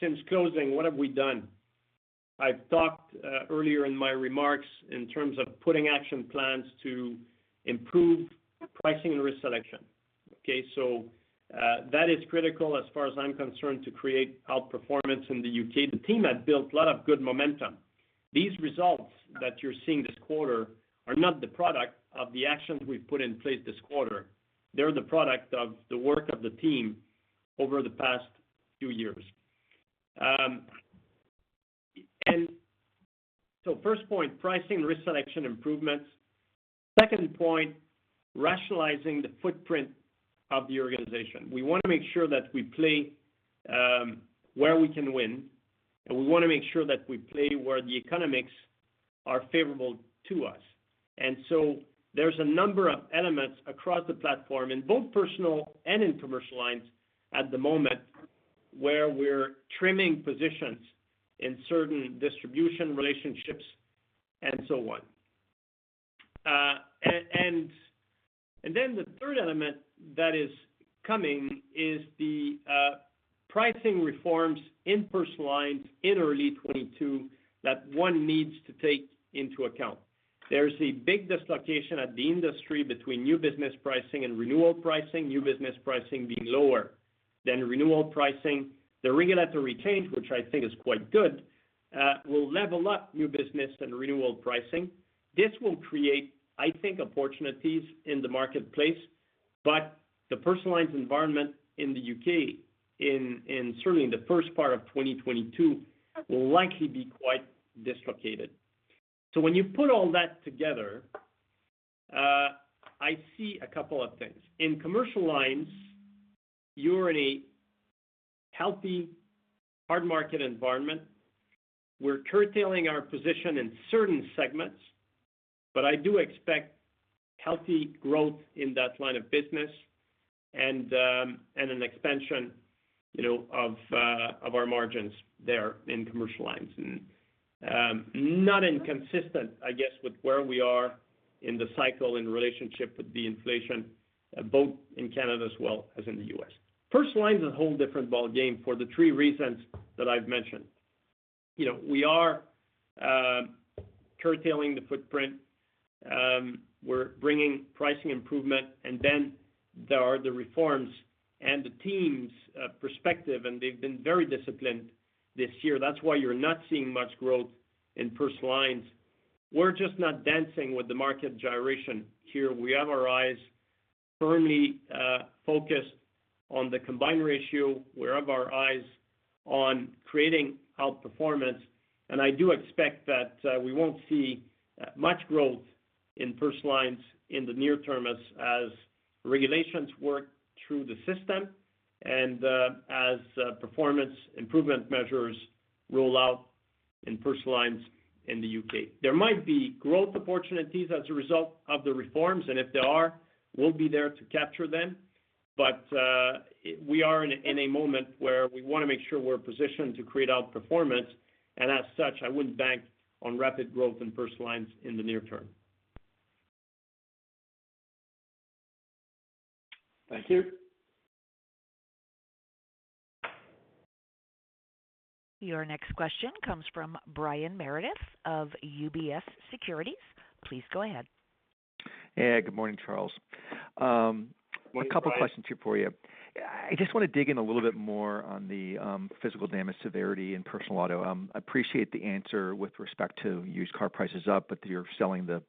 Since closing, what have we done? I've talked earlier in my remarks in terms of putting action plans to improve pricing and risk selection. Okay. That is critical as far as I'm concerned to create outperformance in the U.K. The team has built a lot of good momentum. These results that you're seeing this quarter are not the product of the actions we've put in place this quarter. They're the product of the work of the team over the past few years. First point, pricing risk selection improvements. Second point, rationalizing the footprint of the organization. We wanna make sure that we play where we can win, and we wanna make sure that we play where the economics are favorable to us. There's a number of elements across the platform in both personal and commercial lines at the moment where we're trimming positions in certain distribution relationships and so on. And then the third element that is coming is the pricing reforms in personal lines in early 2022, that one needs to take into account. There's a big dislocation at the industry between new business pricing and renewal pricing, new business pricing being lower than renewal pricing. The regulatory change, which I think is quite good, will level up new business and renewal pricing. This will create, I think, opportunities in the marketplace. But the personal lines environment in the U.K. in certainly in the first part of 2022 will likely be quite dislocated. When you put all that together, I see a couple of things. In commercial lines, you're in a healthy hard market environment. We're curtailing our position in certain segments, but I do expect healthy growth in that line of business and an expansion, you know, of our margins there in commercial lines, not inconsistent, I guess, with where we are in the cycle in relationship with the inflation, both in Canada as well as in the US. Personal lines is a whole different ballgame for the three reasons that I've mentioned. You know, we are curtailing the footprint, we're bringing pricing improvement, and then there are the reforms and the team's perspective, and they've been very disciplined this year. That's why you're not seeing much growth in personal lines. We're just not dancing with the market gyration here. We have our eyes firmly focused on the combined ratio. We have our eyes on creating outperformance, and I do expect that we won't see much growth in personal lines in the near term as regulations work through the system and as performance improvement measures roll out in personal lines in the U.K. There might be growth opportunities as a result of the reforms, and if there are, we'll be there to capture them. We are in a moment where we wanna make sure we're positioned to create outperformance, and as such, I wouldn't bank on rapid growth in personal lines in the near term. Thank you. Your next question comes from Brian Meredith of UBS Securities. Please go ahead. Yeah. Good morning, Charles. Good morning, Brian. A couple questions here for you. I just wanna dig in a little bit more on the physical damage severity in personal auto. Appreciate the answer with respect to used car prices up, but you're selling the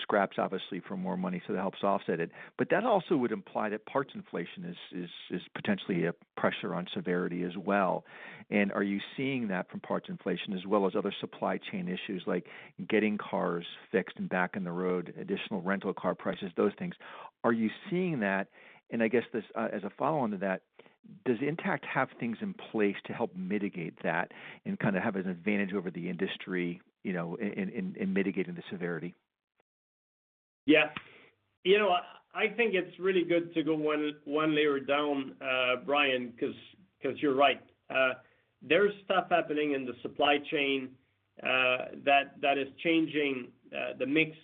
scraps obviously for more money, so that helps offset it. That also would imply that parts inflation is potentially a pressure on severity as well. Are you seeing that from parts inflation as well as other supply chain issues like getting cars fixed and back on the road, additional rental car prices, those things? Are you seeing that? I guess this as a follow-on to that, does Intact have things in place to help mitigate that and kind of have an advantage over the industry, you know, in mitigating the severity? Yeah. You know, I think it's really good to go one layer down, Brian, 'cause you're right. There's stuff happening in the supply chain that is changing the mix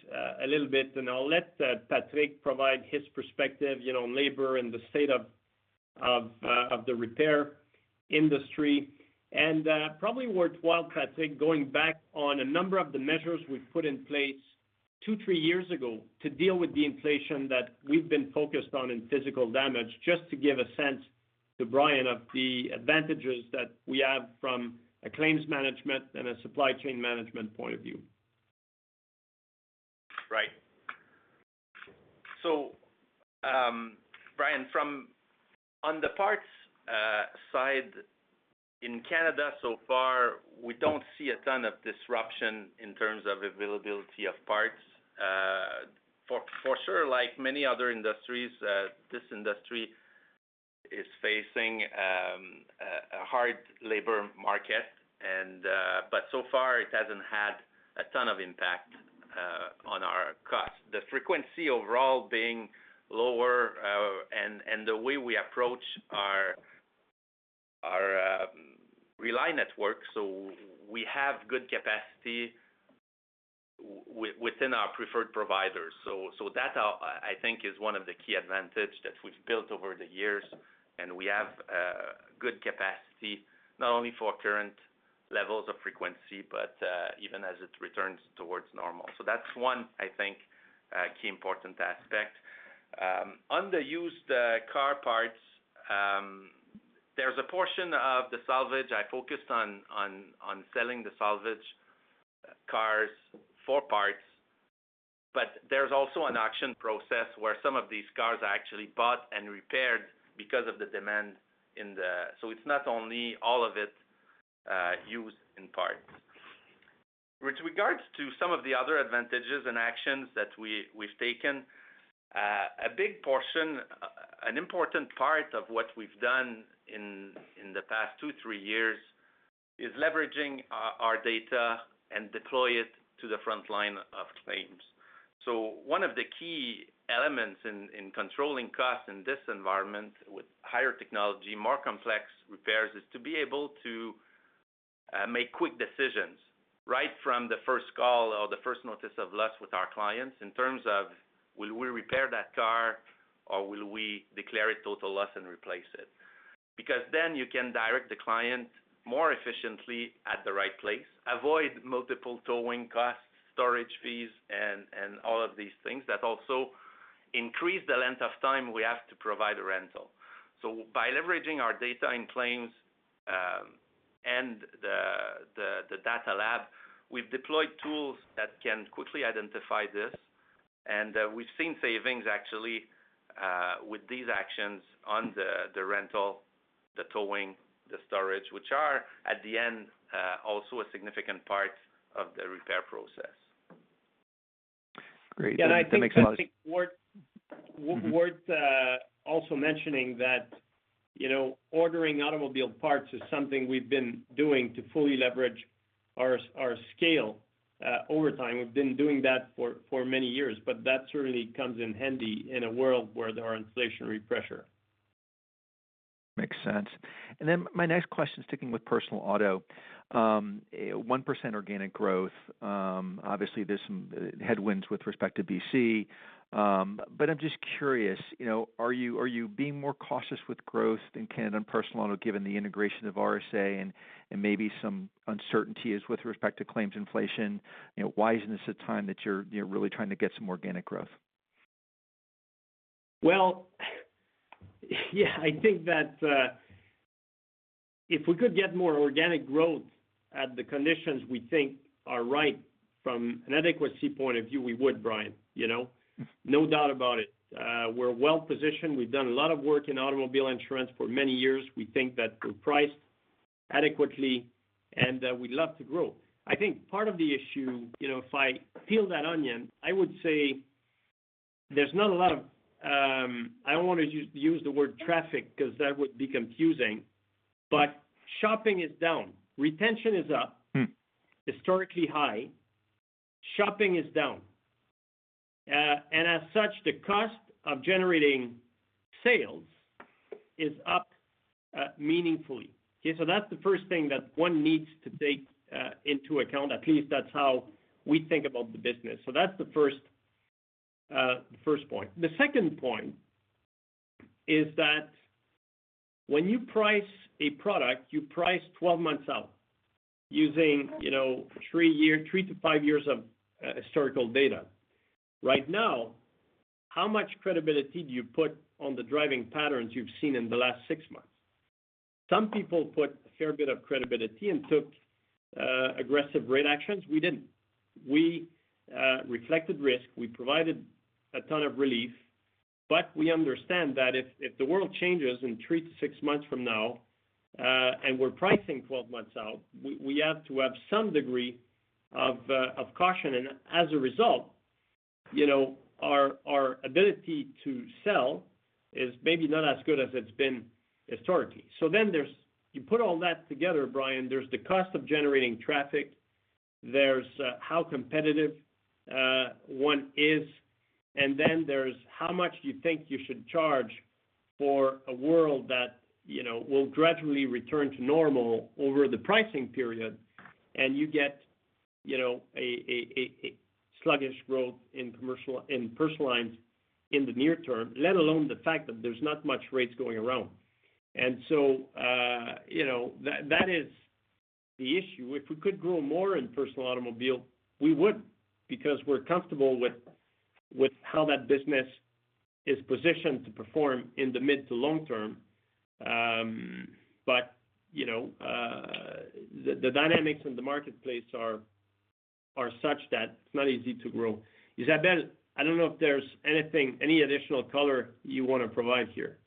a little bit, and I'll let Patrick provide his perspective, you know, on labor and the state of the repair industry. Probably worthwhile, Patrick, going back on a number of the measures we've put in place two, three years ago to deal with the inflation that we've been focused on in physical damage, just to give a sense to Brian of the advantages that we have from a claims management and a supply chain management point of view. Right. Brian, on the parts side, in Canada so far, we don't see a ton of disruption in terms of availability of parts. For sure, like many other industries, this industry is facing a hard labor market and but so far it hasn't had a ton of impact on our costs. The frequency overall being lower, and the way we approach our Rely Network, so we have good capacity within our preferred providers. So that I think is one of the key advantage that we've built over the years, and we have good capacity not only for current levels of frequency, but even as it returns towards normal. That's one, I think, key important aspect. On the used car parts, there's a portion of the salvage I focused on selling the salvage cars for parts. There's also an auction process where some of these cars are actually bought and repaired because of the demand in the. It's not only all of it used in parts. With regards to some of the other advantages and actions that we've taken, a big portion, an important part of what we've done in the past two, three years is leveraging our data and deploy it to the front line of claims. One of the key elements in controlling costs in this environment with higher technology, more complex repairs, is to be able to make quick decisions right from the first call or the first notice of loss with our clients in terms of will we repair that car or will we declare a total loss and replace it. Because then you can direct the client more efficiently at the right place, avoid multiple towing costs, storage fees, and all of these things that also increase the length of time we have to provide a rental. By leveraging our data in claims and the data lab, we've deployed tools that can quickly identify this. We've seen savings actually with these actions on the rental, towing, and storage, which are, at the end, also a significant part of the repair process. Great. I think that's worth also mentioning that, you know, ordering automobile parts is something we've been doing to fully leverage our scale over time. We've been doing that for many years, but that certainly comes in handy in a world where there are inflationary pressure. Makes sense. Then my next question, sticking with personal auto, 1% organic growth, obviously there's some headwinds with respect to BC, but I'm just curious, you know, are you being more cautious with growth in Canada personal auto, given the integration of RSA and maybe some uncertainty with respect to claims inflation? You know, why isn't this a time that you're really trying to get some organic growth? Well, yeah, I think that if we could get more organic growth at the conditions we think are right from an adequacy point of view, we would, Brian, you know? No doubt about it. We're well positioned. We've done a lot of work in automobile insurance for many years. We think that we're priced adequately, and we'd love to grow. I think part of the issue, you know, if I peel that onion, I would say there's not a lot of. I don't want to use the word traffic because that would be confusing, but shopping is down, retention is up. Mm. Historically high. Shopping is down. And as such, the cost of generating sales is up, meaningfully. That's the first thing that one needs to take into account. At least that's how we think about the business. That's the first point. The second point is that when you price a product, you price 12 months out using, you know, three year, three to five years of historical data. Right now, how much credibility do you put on the driving patterns you've seen in the last six months? Some people put a fair bit of credibility and took aggressive rate actions. We didn't. We reflected risk. We provided a ton of relief. We understand that if the world changes in three to six months from now, and we're pricing 12 months out, we have to have some degree of caution. As a result, you know, our ability to sell is maybe not as good as it's been historically. There's, you put all that together, Brian, there's the cost of generating traffic, there's how competitive one is, and then there's how much you think you should charge for a world that, you know, will gradually return to normal over the pricing period. You get, you know, a sluggish growth in commercial, in personal lines in the near term, let alone the fact that there's not much rates going around. You know, that is the issue. If we could grow more in personal automobile, we would, because we're comfortable with how that business is positioned to perform in the mid to long term. You know, the dynamics in the marketplace are such that it's not easy to grow. Isabelle, I don't know if there's any additional color you wanna provide here.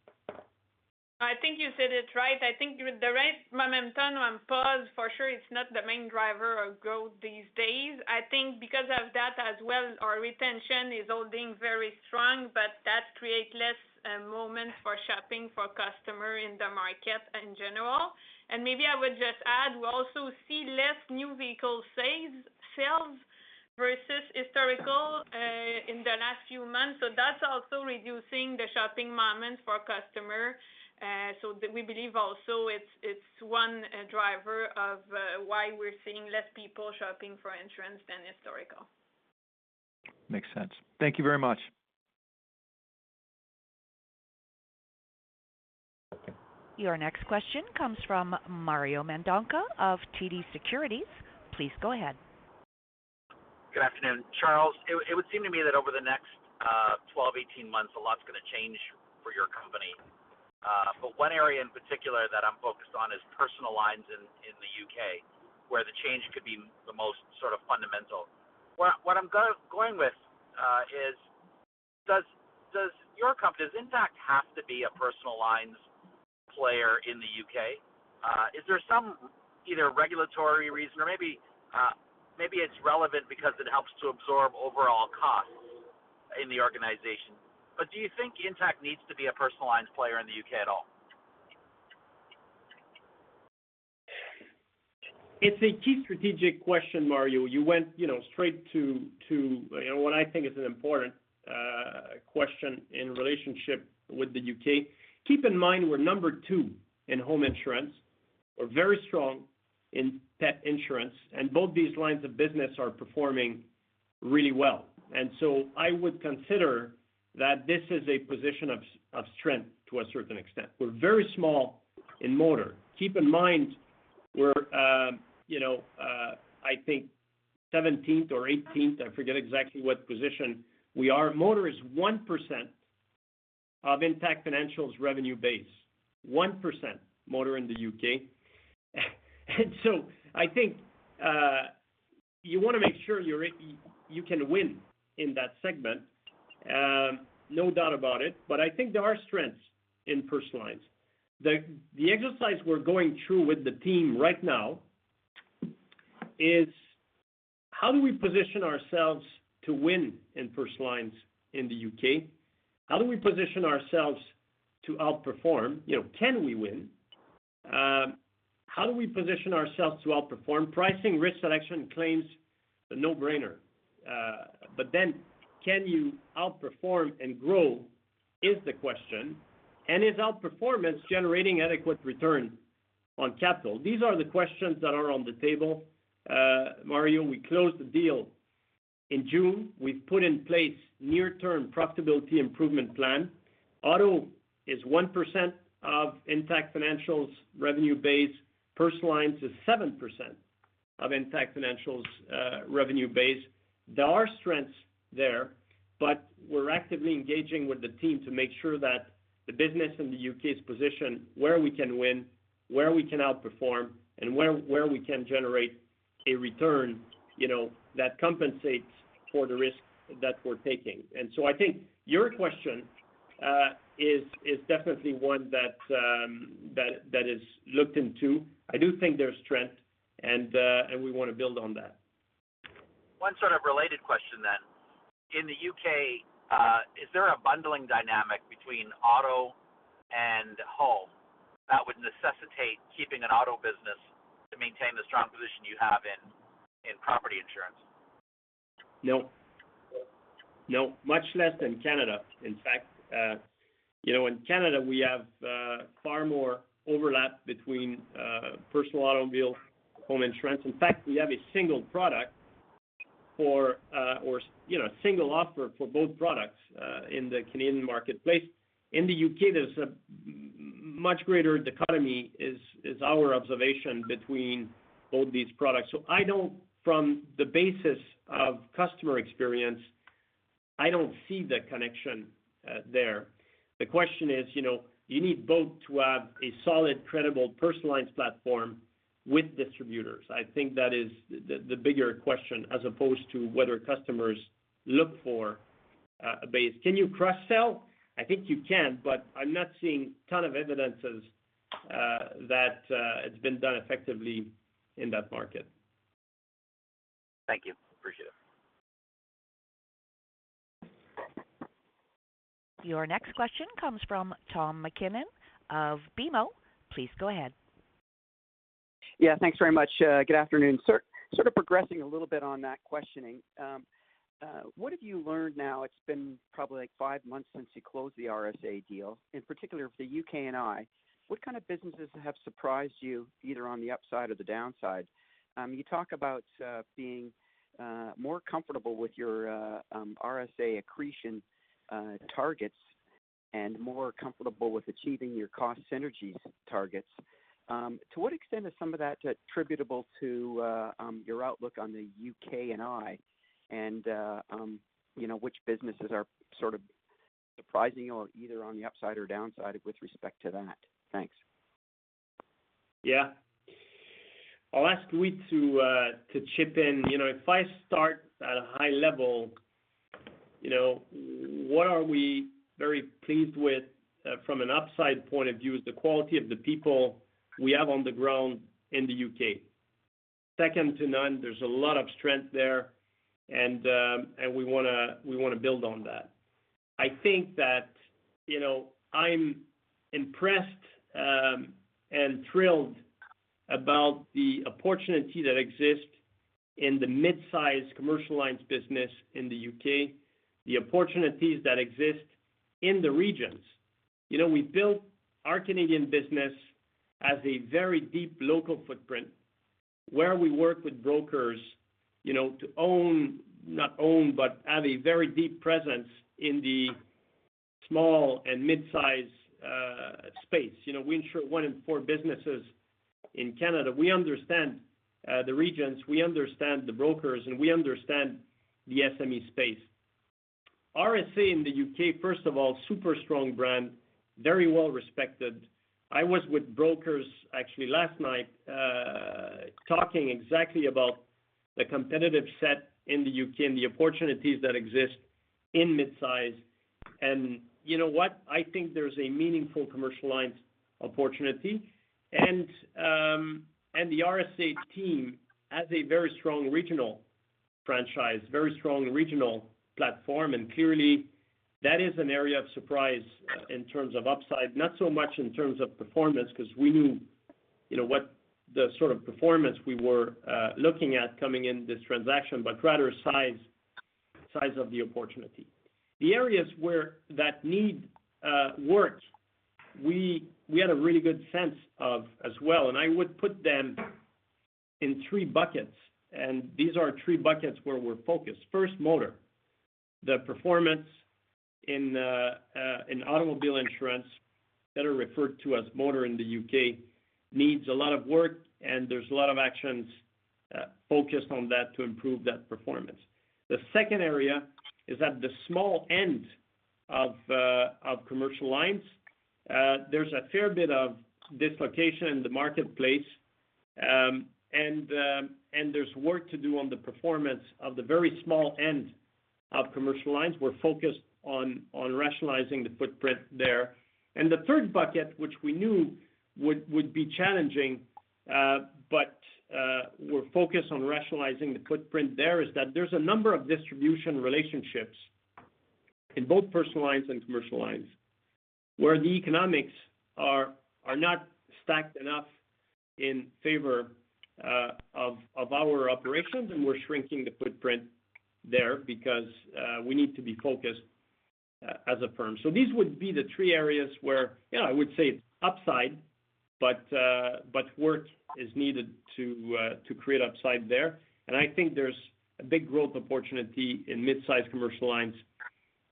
I think you said it right. I think with the right momentum on pause, for sure it's not the main driver of growth these days. I think because of that as well, our retention is holding very strong, but that create less moment for shopping for customer in the market in general. Maybe I would just add, we also see less new vehicle sales versus historical in the last few months. That's also reducing the shopping moment for customer. We believe also it's one driver of why we're seeing less people shopping for insurance than historical. Makes sense. Thank you very much. Your next question comes from Mario Mendonca of TD Securities. Please go ahead. Good afternoon. Charles, it would seem to me that over the next 12-18 months, a lot's gonna change. One area in particular that I'm focused on is personal lines in the U.K., where the change could be the most sort of fundamental. What I'm going with is, does your company... Does Intact have to be a personal lines player in the U.K.? Is there some either regulatory reason or maybe it's relevant because it helps to absorb overall costs in the organization. Do you think Intact needs to be a personal lines player in the U.K. at all? It's a key strategic question, Mario. You went, you know, straight to, you know, what I think is an important question in relationship with the U.K. Keep in mind we're number two in home insurance. We're very strong in pet insurance, and both these lines of business are performing really well. I would consider that this is a position of strength to a certain extent. We're very small in motor. Keep in mind we're, you know, I think 17th or 18th, I forget exactly what position we are. Motor is 1% of Intact Financial's revenue base. 1% motor in the U.K. I think, you wanna make sure you're, you can win in that segment, no doubt about it. But I think there are strengths in personal lines. The exercise we're going through with the team right now is how do we position ourselves to win in personal lines in the U.K.? How do we position ourselves to outperform? You know, can we win? How do we position ourselves to outperform pricing, risk selection, claims? A no-brainer. But then can you outperform and grow, is the question. Is outperformance generating adequate return on capital? These are the questions that are on the table, Mario. We closed the deal in June. We've put in place near-term profitability improvement plan. Auto is 1% of Intact Financial's revenue base. Personal lines is 7% of Intact Financial's revenue base. There are strengths there, but we're actively engaging with the team to make sure that the business in the U.K. is positioned where we can win, where we can outperform, and where we can generate a return, you know, that compensates for the risk that we're taking. I think your question is definitely one that is looked into. I do think there's strength and we wanna build on that. One sort of related question then. In the U.K., is there a bundling dynamic between auto and home that would necessitate keeping an auto business to maintain the strong position you have in property insurance? No. No, much less than Canada, in fact. You know, in Canada, we have far more overlap between personal automobile, home insurance. In fact, we have a single product for, or, you know, single offer for both products in the Canadian marketplace. In the U.K., there's a much greater dichotomy is our observation between both these products. I don't from the basis of customer experience, I don't see the connection there. The question is, you know, you need both to have a solid, credible personal lines platform with distributors. I think that is the bigger question as opposed to whether customers look for a base. Can you cross-sell? I think you can, but I'm not seeing ton of evidence that it's been done effectively in that market. Thank you. Appreciate it. Your next question comes from Tom MacKinnon of BMO. Please go ahead. Yeah, thanks very much. Good afternoon. Sort of progressing a little bit on that questioning, what have you learned now? It's been probably like five months since you closed the RSA deal, in particular for the UK&I. What kind of businesses have surprised you either on the upside or the downside? You talk about being more comfortable with your RSA accretion targets and more comfortable with achieving your cost synergies targets. To what extent is some of that attributable to your outlook on the UK&I and, you know, which businesses are sort of surprising you either on the upside or downside with respect to that? Thanks. Yeah. I'll ask Louis to chip in. You know, if I start at a high level, you know, what are we very pleased with from an upside point of view is the quality of the people we have on the ground in the U.K. Second to none, there's a lot of strength there, and we wanna build on that. I think that, you know, I'm impressed and thrilled about the opportunity that exists in the mid-size commercial lines business in the U.K., the opportunities that exists in the regions. You know, we built our Canadian business as a very deep local footprint where we work with brokers, you know, to have a very deep presence in the small and mid-size space. You know, we insure one in four businesses in Canada. We understand the regions, we understand the brokers, and we understand the SME space. RSA in the U.K., first of all, super strong brand, very well respected. I was with brokers actually last night, talking exactly about the competitive set in the U.K. and the opportunities that exist in mid-size. You know what? I think there's a meaningful commercial alliance opportunity. The RSA team has a very strong regional franchise, very strong regional platform. Clearly that is an area of surprise in terms of upside, not so much in terms of performance, because we knew, you know, what the sort of performance we were looking at coming in this transaction, but rather size of the opportunity. The areas where that need work, we had a really good sense of as well, and I would put them in three buckets, and these are three buckets where we're focused. First motor. The performance in automobile insurance, better referred to as motor in the U.K., needs a lot of work, and there's a lot of actions focused on that to improve that performance. The second area is at the small end of commercial lines. There's a fair bit of dislocation in the marketplace, and there's work to do on the performance of the very small end of commercial lines. We're focused on rationalizing the footprint there. The third bucket, which we knew would be challenging, but we're focused on rationalizing the footprint there, is that there's a number of distribution relationships in both personal lines and commercial lines where the economics are not stacked enough in favor of our operations, and we're shrinking the footprint there because we need to be focused as a firm. These would be the three areas where, you know, I would say upside, but but work is needed to create upside there. I think there's a big growth opportunity in mid-size commercial lines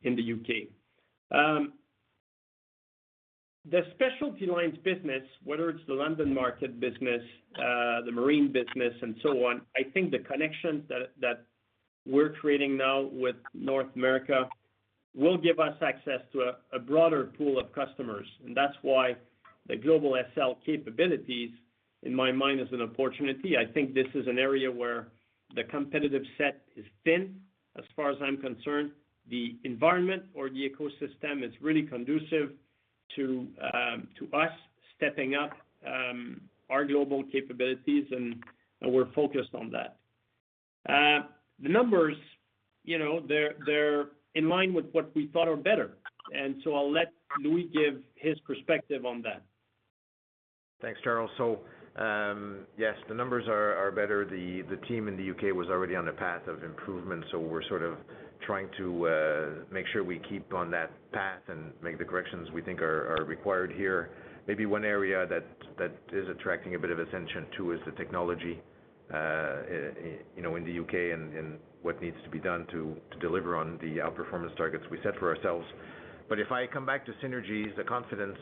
in the U.K. The specialty lines business, whether it's the London market business, the marine business and so on, I think the connections that we're creating now with North America will give us access to a broader pool of customers. That's why the global SL capabilities in my mind is an opportunity. I think this is an area where the competitive set is thin as far as I'm concerned. The environment or the ecosystem is really conducive to us stepping up our global capabilities, and we're focused on that. The numbers, you know, they're in line with what we thought are better. I'll let Louis give his perspective on that. Thanks, Charles. Yes, the numbers are better. The team in the U.K. was already on the path of improvement, so we're sort of trying to make sure we keep on that path and make the corrections we think are required here. Maybe one area that is attracting a bit of attention too is the technology, you know, in the U.K. and what needs to be done to deliver on the outperformance targets we set for ourselves. If I come back to synergies, the confidence,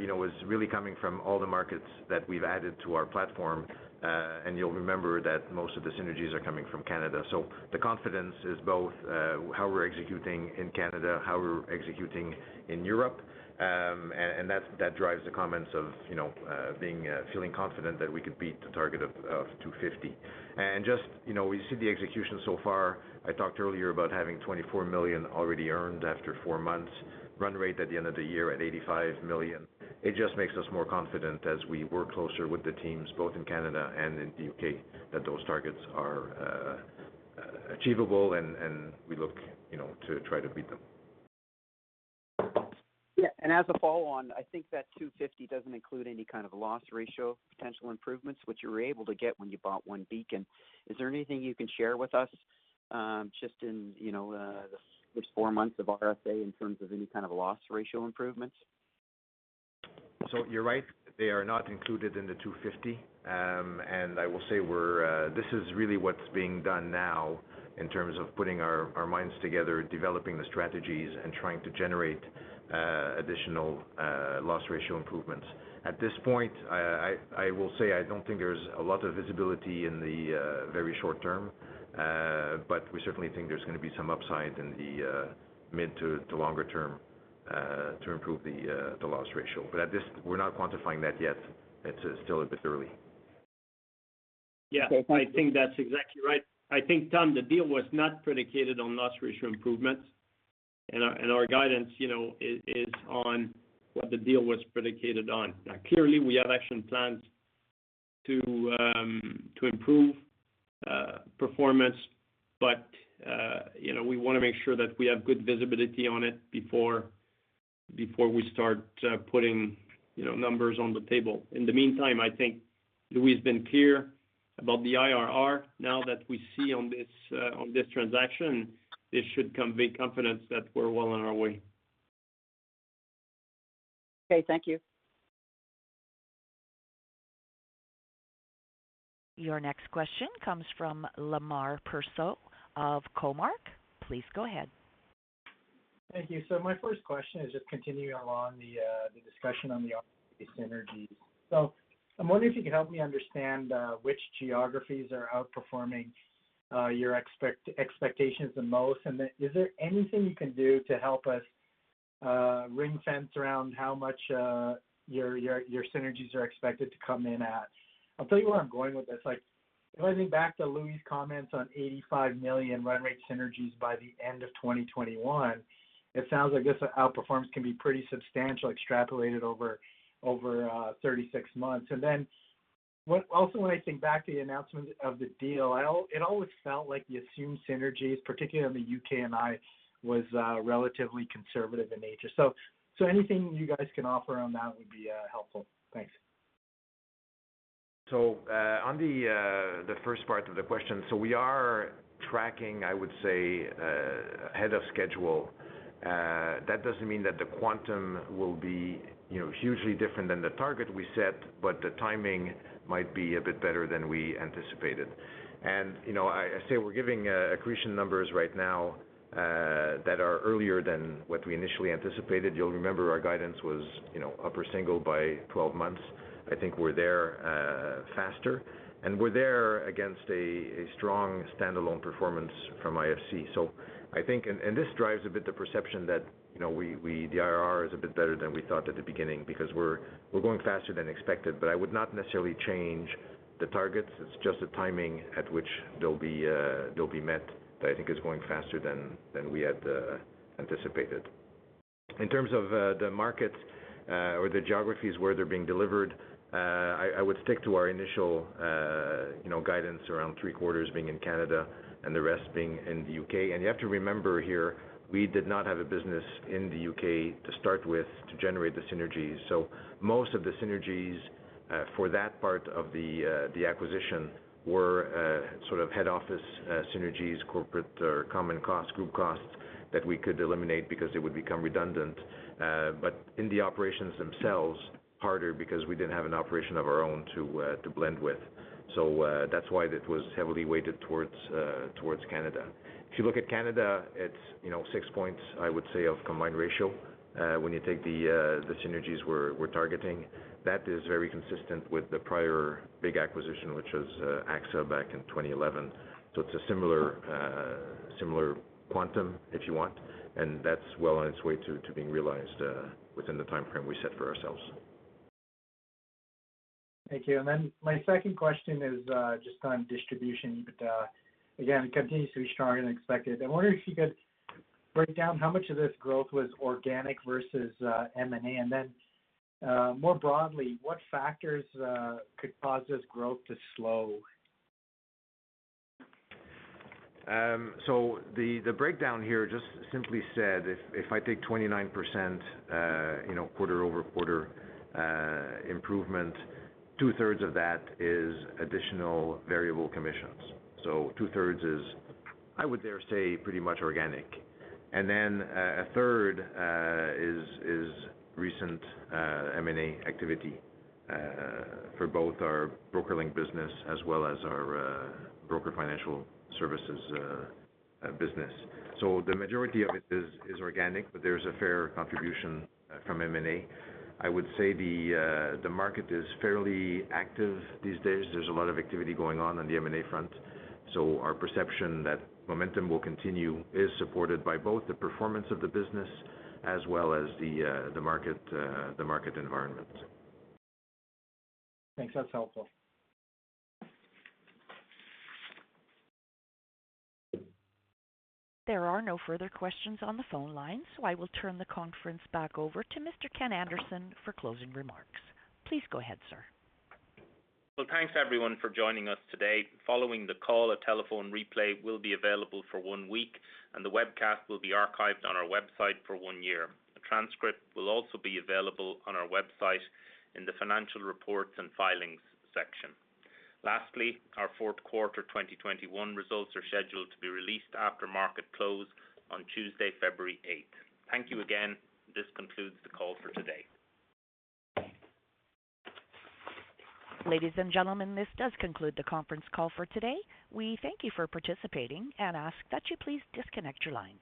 you know, is really coming from all the markets that we've added to our platform. You'll remember that most of the synergies are coming from Canada. The confidence is both how we're executing in Canada, how we're executing in Europe. And that drives the comments of, you know, being feeling confident that we could beat the target of 250 million. Just, you know, we see the execution so far. I talked earlier about having 24 million already earned after four months. Run rate at the end of the year at 85 million. It just makes us more confident as we work closer with the teams both in Canada and in the U.K., that those targets are achievable and we look, you know, to try to beat them. Yeah. As a follow-on, I think that 250 million doesn't include any kind of loss ratio potential improvements which you were able to get when you bought OneBeacon. Is there anything you can share with us, just in the first four months of RSA in terms of any kind of loss ratio improvements? You're right, they are not included in the 250 million. I will say this is really what's being done now in terms of putting our minds together, developing the strategies, and trying to generate additional loss ratio improvements. At this point, I will say I don't think there's a lot of visibility in the very short term, but we certainly think there's gonna be some upside in the mid- to longer-term to improve the loss ratio. We're not quantifying that yet. It's still a bit early. Yeah, I think that's exactly right. I think, Tom, the deal was not predicated on loss ratio improvements, and our guidance, you know, is on what the deal was predicated on. Now clearly we have action plans to improve performance, but, you know, we wanna make sure that we have good visibility on it before we start putting, you know, numbers on the table. In the meantime, I think Louis been clear about the IRR now that we see on this transaction. It should convey confidence that we're well on our way. Okay. Thank you. Your next question comes from Lemar Persaud of Cormark. Please go ahead. Thank you. My first question is just continuing along the discussion on the synergies. I'm wondering if you can help me understand which geographies are outperforming your expectations the most. Is there anything you can do to help us ring-fence around how much your synergies are expected to come in at? I'll tell you where I'm going with this. Like, when I think back to Louis' comments on 85 million run rate synergies by the end of 2021, it sounds like this outperformance can be pretty substantial, extrapolated over 36 months. Also, when I think back to the announcement of the deal, it always felt like the assumed synergies, particularly in the UK&I, was relatively conservative in nature. Anything you guys can offer on that would be helpful. Thanks. On the first part of the question, we are tracking, I would say, ahead of schedule. That doesn't mean that the quantum will be, you know, hugely different than the target we set, but the timing might be a bit better than we anticipated. You know, I say we're giving accretion numbers right now that are earlier than what we initially anticipated. You'll remember our guidance was, you know, upper single-digit by 12 months. I think we're there faster, and we're there against a strong standalone performance from IFC. I think this drives a bit the perception that, you know, the IRR is a bit better than we thought at the beginning because we're going faster than expected. But I would not necessarily change the targets. It's just the timing at which they'll be met that I think is going faster than we had anticipated. In terms of the markets or the geographies where they're being delivered, I would stick to our initial, you know, guidance around three quarters being in Canada and the rest being in the U.K. You have to remember here, we did not have a business in the U.K. to start with to generate the synergies. Most of the synergies for that part of the acquisition were sort of head office synergies, corporate or common costs, group costs that we could eliminate because they would become redundant. In the operations themselves, harder because we didn't have an operation of our own to blend with. That's why it was heavily weighted towards Canada. If you look at Canada, it's, you know, six points, I would say, of combined ratio, when you take the synergies we're targeting. That is very consistent with the prior big acquisition, which was AXA back in 2011. It's a similar quantum, if you want, and that's well on its way to being realized within the timeframe we set for ourselves. Thank you. My second question is, just on distribution. Again, it continues to be stronger than expected. I wonder if you could break down how much of this growth was organic versus M&A. More broadly, what factors could cause this growth to slow? The breakdown here, just simply said, if I take 29%, you know, quarter-over-quarter improvement, two-thirds of that is additional variable commissions. Two-thirds is, I would dare say, pretty much organic. A third is recent M&A activity for both our BrokerLink business as well as our broker financial services business. The majority of it is organic, but there's a fair contribution from M&A. I would say the market is fairly active these days. There's a lot of activity going on the M&A front. Our perception that momentum will continue is supported by both the performance of the business as well as the market environment. Thanks. That's helpful. There are no further questions on the phone line, so I will turn the conference back over to Mr. Ken Anderson for closing remarks. Please go ahead, sir. Well, thanks everyone for joining us today. Following the call, a telephone replay will be available for one week, and the webcast will be archived on our website for one year. A transcript will also be available on our website in the Financial Reports and Filings section. Lastly, our fourth quarter 2021 results are scheduled to be released after market close on Tuesday, February eighth. Thank you again. This concludes the call for today. Ladies and gentlemen, this does conclude the conference call for today. We thank you for participating and ask that you please disconnect your lines.